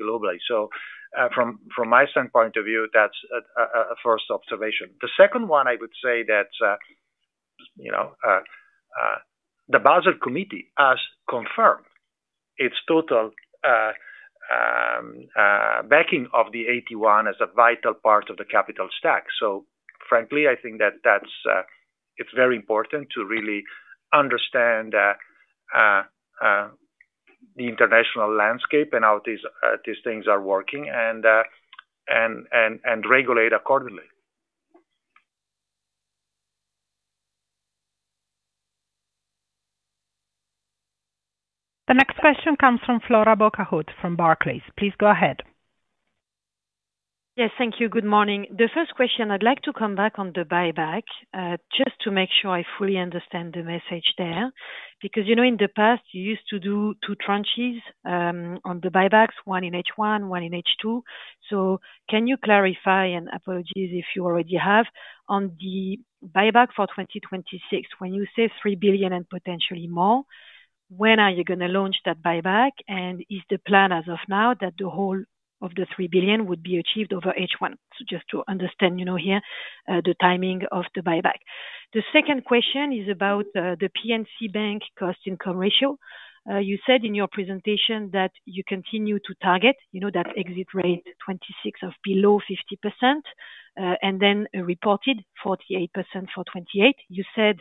globally. So, from my point of view, that's a first observation. The second one, I would say that's, you know, the Basel Committee has confirmed its total, backing of the '81 as a vital part of the capital stack. So, frankly, I think that that's, it's very important to really understand, the international landscape and how these, these things are working and regulate accordingly. The next question comes from Flora Bocahut from Barclays. Please go ahead. Yes. Thank you. Good morning. The first question, I'd like to come back on the buyback, just to make sure I fully understand the message there because, you know, in the past, you used to do two tranches, on the buybacks, one in H1, one in H2. So can you clarify - and apologies if you already have - on the buyback for 2026, when you say 3 billion and potentially more, when are you gonna launch that buyback? Is the plan as of now that the whole of the 3 billion would be achieved over H1? So just to understand, you know, here, the timing of the buyback. The second question is about the P&C bank cost-income ratio. You said in your presentation that you continue to target, you know, that exit rate 2026 of below 50%, and then a reported 48% for 2028. You said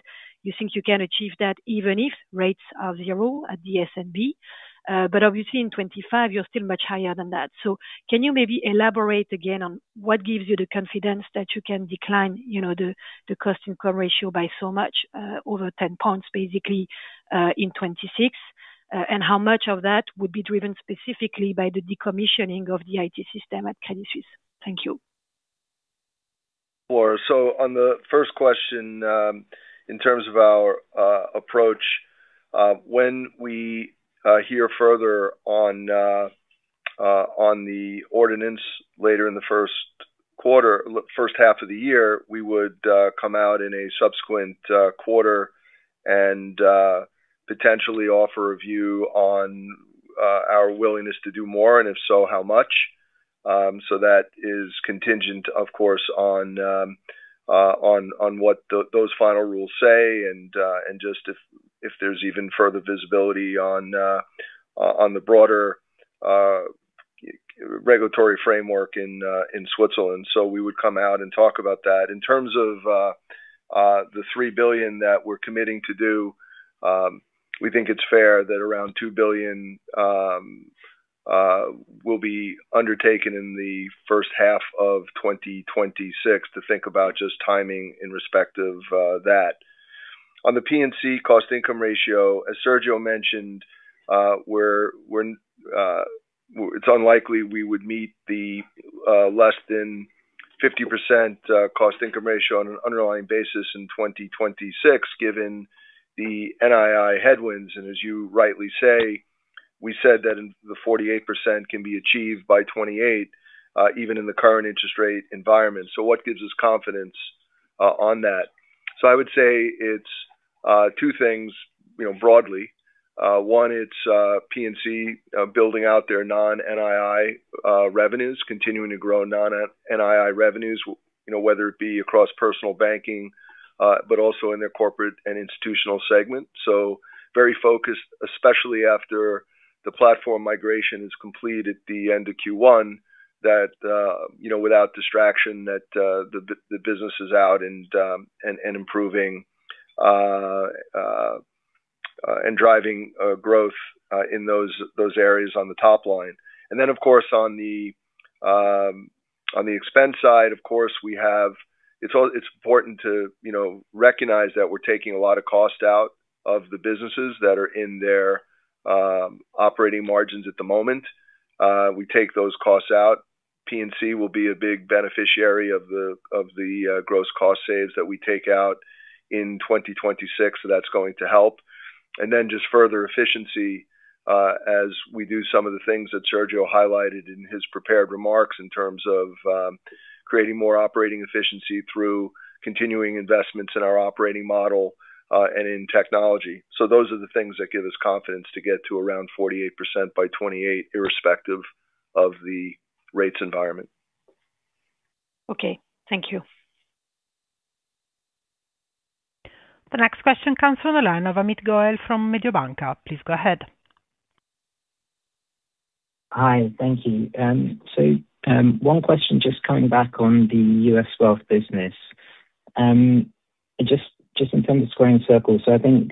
you think you can achieve that even if rates are zero at the SNB. But obviously, in 2025, you're still much higher than that. So can you maybe elaborate again on what gives you the confidence that you can decline, you know, the, the cost-income ratio by so much, over 10 points, basically, in 2026, and how much of that would be driven specifically by the decommissioning of the IT system at Credit Suisse? Thank you. Sure. So on the first question, in terms of our approach, when we hear further on the ordinance later in the first quarter or first half of the year, we would come out in a subsequent quarter and potentially offer a view on our willingness to do more. And if so, how much? So that is contingent, of course, on what those final rules say and just if there's even further visibility on the broader regulatory framework in Switzerland. So we would come out and talk about that. In terms of the 3 billion that we're committing to do, we think it's fair that around 2 billion will be undertaken in the first half of 2026 to think about just timing in respect of that. On the P&C cost-income ratio, as Sergio mentioned, it's unlikely we would meet the less than 50% cost-income ratio on an underlying basis in 2026 given the NII headwinds. And as you rightly say, we said that the 48% can be achieved by 2028, even in the current interest rate environment. So what gives us confidence on that? So I would say it's two things, you know, broadly. One, it's P&C building out their non-NII revenues, continuing to grow non-NII revenues, you know, whether it be across personal banking, but also in their corporate and institutional segment. So very focused, especially after the platform migration is complete at the end of Q1, you know, without distraction, the business is out and improving, and driving growth in those areas on the top line. And then, of course, on the expense side, of course, we have, it's all, it's important to, you know, recognize that we're taking a lot of cost out of the businesses that are in their operating margins at the moment. We take those costs out. P&C will be a big beneficiary of the gross cost saves that we take out in 2026. So that's going to help. And then just further efficiency, as we do some of the things that Sergio highlighted in his prepared remarks in terms of creating more operating efficiency through continuing investments in our operating model, and in technology. So those are the things that give us confidence to get to around 48% by 2028 irrespective of the rates environment. Okay. Thank you. The next question comes from the line of Amit Goel from Mediobanca. Please go ahead. Hi. Thank you. So, one question just coming back on the US wealth business. Just in terms of circling back, so I think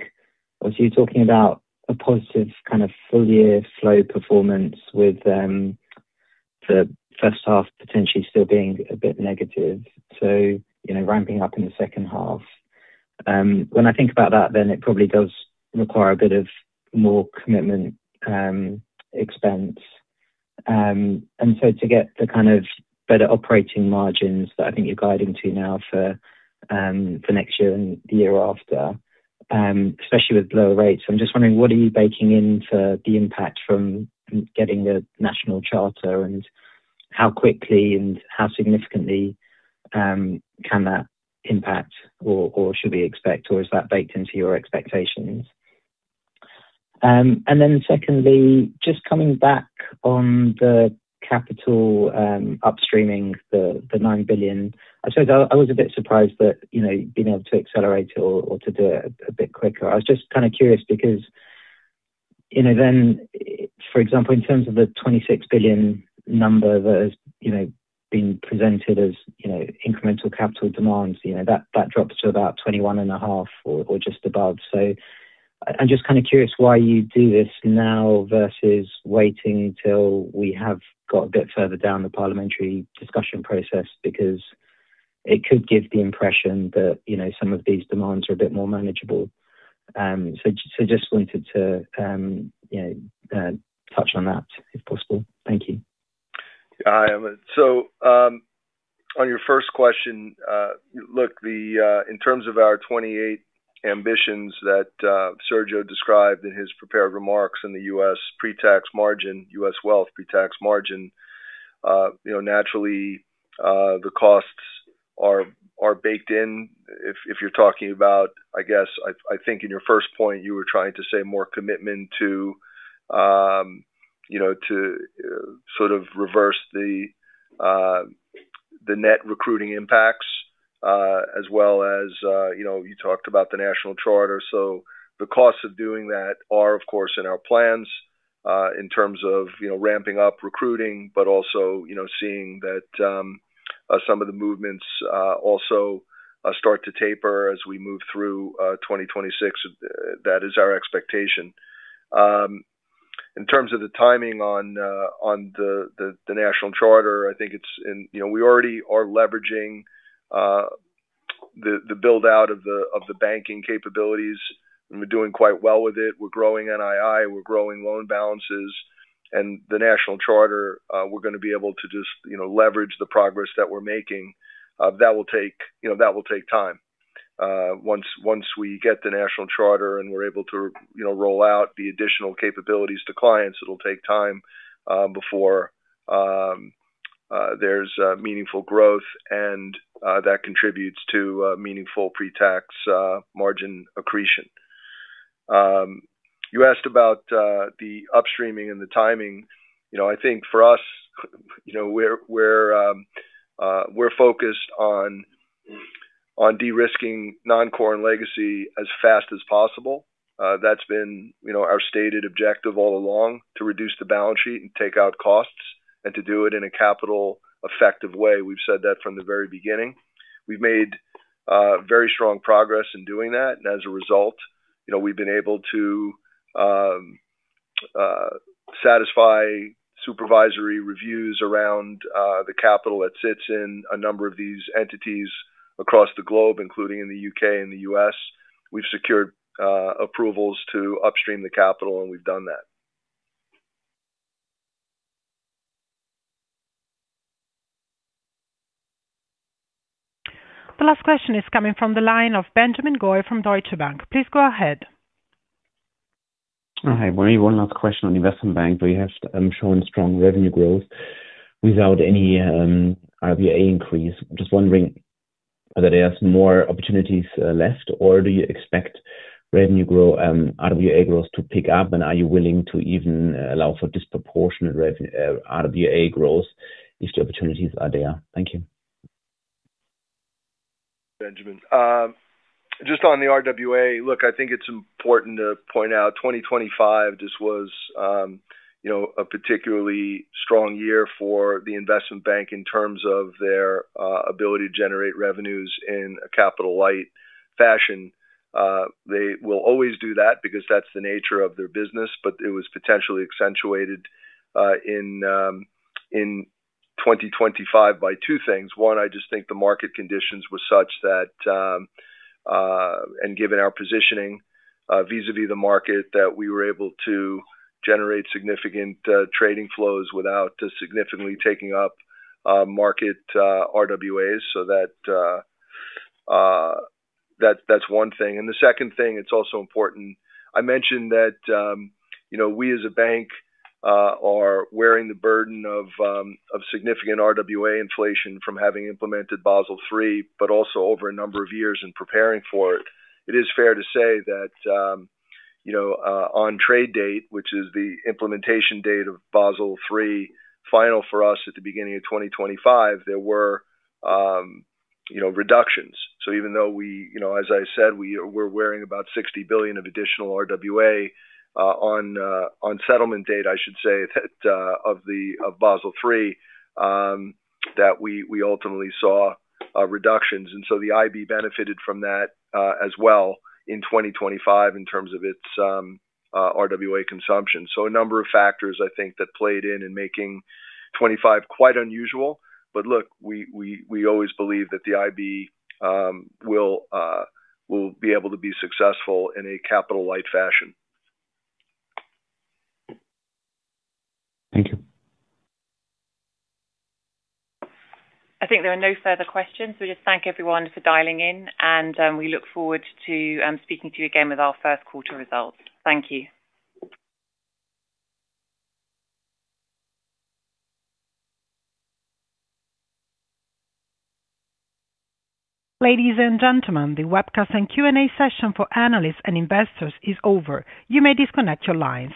I was here talking about a positive kind of full-year flow performance with the first half potentially still being a bit negative, so, you know, ramping up in the second half. When I think about that, then it probably does require a bit more commitment expense. And so to get the kind of better operating margins that I think you're guiding to now for next year and the year after, especially with lower rates, I'm just wondering what are you baking in for the impact from getting the national charter and how quickly and how significantly can that impact or should we expect or is that baked into your expectations? And then secondly, just coming back on the capital upstreaming, the 9 billion, I suppose I was a bit surprised that, you know, being able to accelerate it or to do it a bit quicker. I was just kind of curious because, you know, then, I for example, in terms of the 26 billion number that has, you know, been presented as, you know, incremental capital demands, you know, that drops to about 21.5 or just above. So I'm just kind of curious why you do this now versus waiting till we have got a bit further down the parliamentary discussion process because it could give the impression that, you know, some of these demands are a bit more manageable. So, so just wanted to, you know, touch on that if possible. Thank you. Hi, Amit. So, on your first question, look, in terms of our 2028 ambitions that Sergio described in his prepared remarks in the U.S. pre-tax margin, U.S. wealth pre-tax margin, you know, naturally, the costs are baked in. If you're talking about, I guess, I think in your first point, you were trying to say more commitment to, you know, to sort of reverse the net recruiting impacts, as well as, you know, you talked about the national charter. So the costs of doing that are, of course, in our plans, in terms of, you know, ramping up recruiting but also, you know, seeing that some of the movements also start to taper as we move through 2026. That is our expectation. In terms of the timing on the national charter, I think it's, you know, we already are leveraging the build-out of the banking capabilities. And we're doing quite well with it. We're growing NII. We're growing loan balances. And the national charter, we're gonna be able to just, you know, leverage the progress that we're making. That will take, you know, time. Once we get the national charter and we're able to, you know, roll out the additional capabilities to clients, it'll take time before there's meaningful growth. And that contributes to meaningful pre-tax margin accretion. You asked about the upstreaming and the timing. You know, I think for us, you know, we're focused on de-risking Non-Core and Legacy as fast as possible. That's been, you know, our stated objective all along to reduce the balance sheet and take out costs and to do it in a capital-effective way. We've said that from the very beginning. We've made very strong progress in doing that. As a result, you know, we've been able to satisfy supervisory reviews around the capital that sits in a number of these entities across the globe, including in the U.K. and the U.S. We've secured approvals to upstream the capital, and we've done that. The last question is coming from the line of Benjamin Goy from Deutsche Bank. Please go ahead. Hi. One last question on Investment Bank. We have shown strong revenue growth without any RWA increase. I'm just wondering whether there's more opportunities left, or do you expect revenue grow RWA growth to pick up? Are you willing to even allow for disproportionate revenue RWA growth if the opportunities are there? Thank you. Benjamin, just on the RWA, look, I think it's important to point out 2025 just was, you know, a particularly strong year for the Investment Bank in terms of their ability to generate revenues in a capital-light fashion. They will always do that because that's the nature of their business. But it was potentially accentuated in 2025 by two things. One, I just think the market conditions were such that, and given our positioning vis-à-vis the market, that we were able to generate significant trading flows without significantly taking up market RWAs. So that's one thing. And the second thing, it's also important I mentioned that, you know, we as a bank, are wearing the burden of significant RWA inflation from having implemented Basel III but also over a number of years in preparing for it. It is fair to say that, you know, on trade date, which is the implementation date of Basel III final for us at the beginning of 2025, there were, you know, reductions. So even though we you know, as I said, we were wearing about 60 billion of additional RWA, on settlement date, I should say, that of the Basel III, that we ultimately saw reductions. And so the IB benefited from that, as well in 2025 in terms of its RWA consumption. So a number of factors, I think, that played in making 2025 quite unusual. But look, we always believe that the IB will be able to be successful in a capital-light fashion. Thank you. I think there are no further questions. We just thank everyone for dialing in. And we look forward to speaking to you again with our first quarter results. Thank you. Ladies and gentlemen, the webcast and Q&A session for analysts and investors is over. You may disconnect your lines.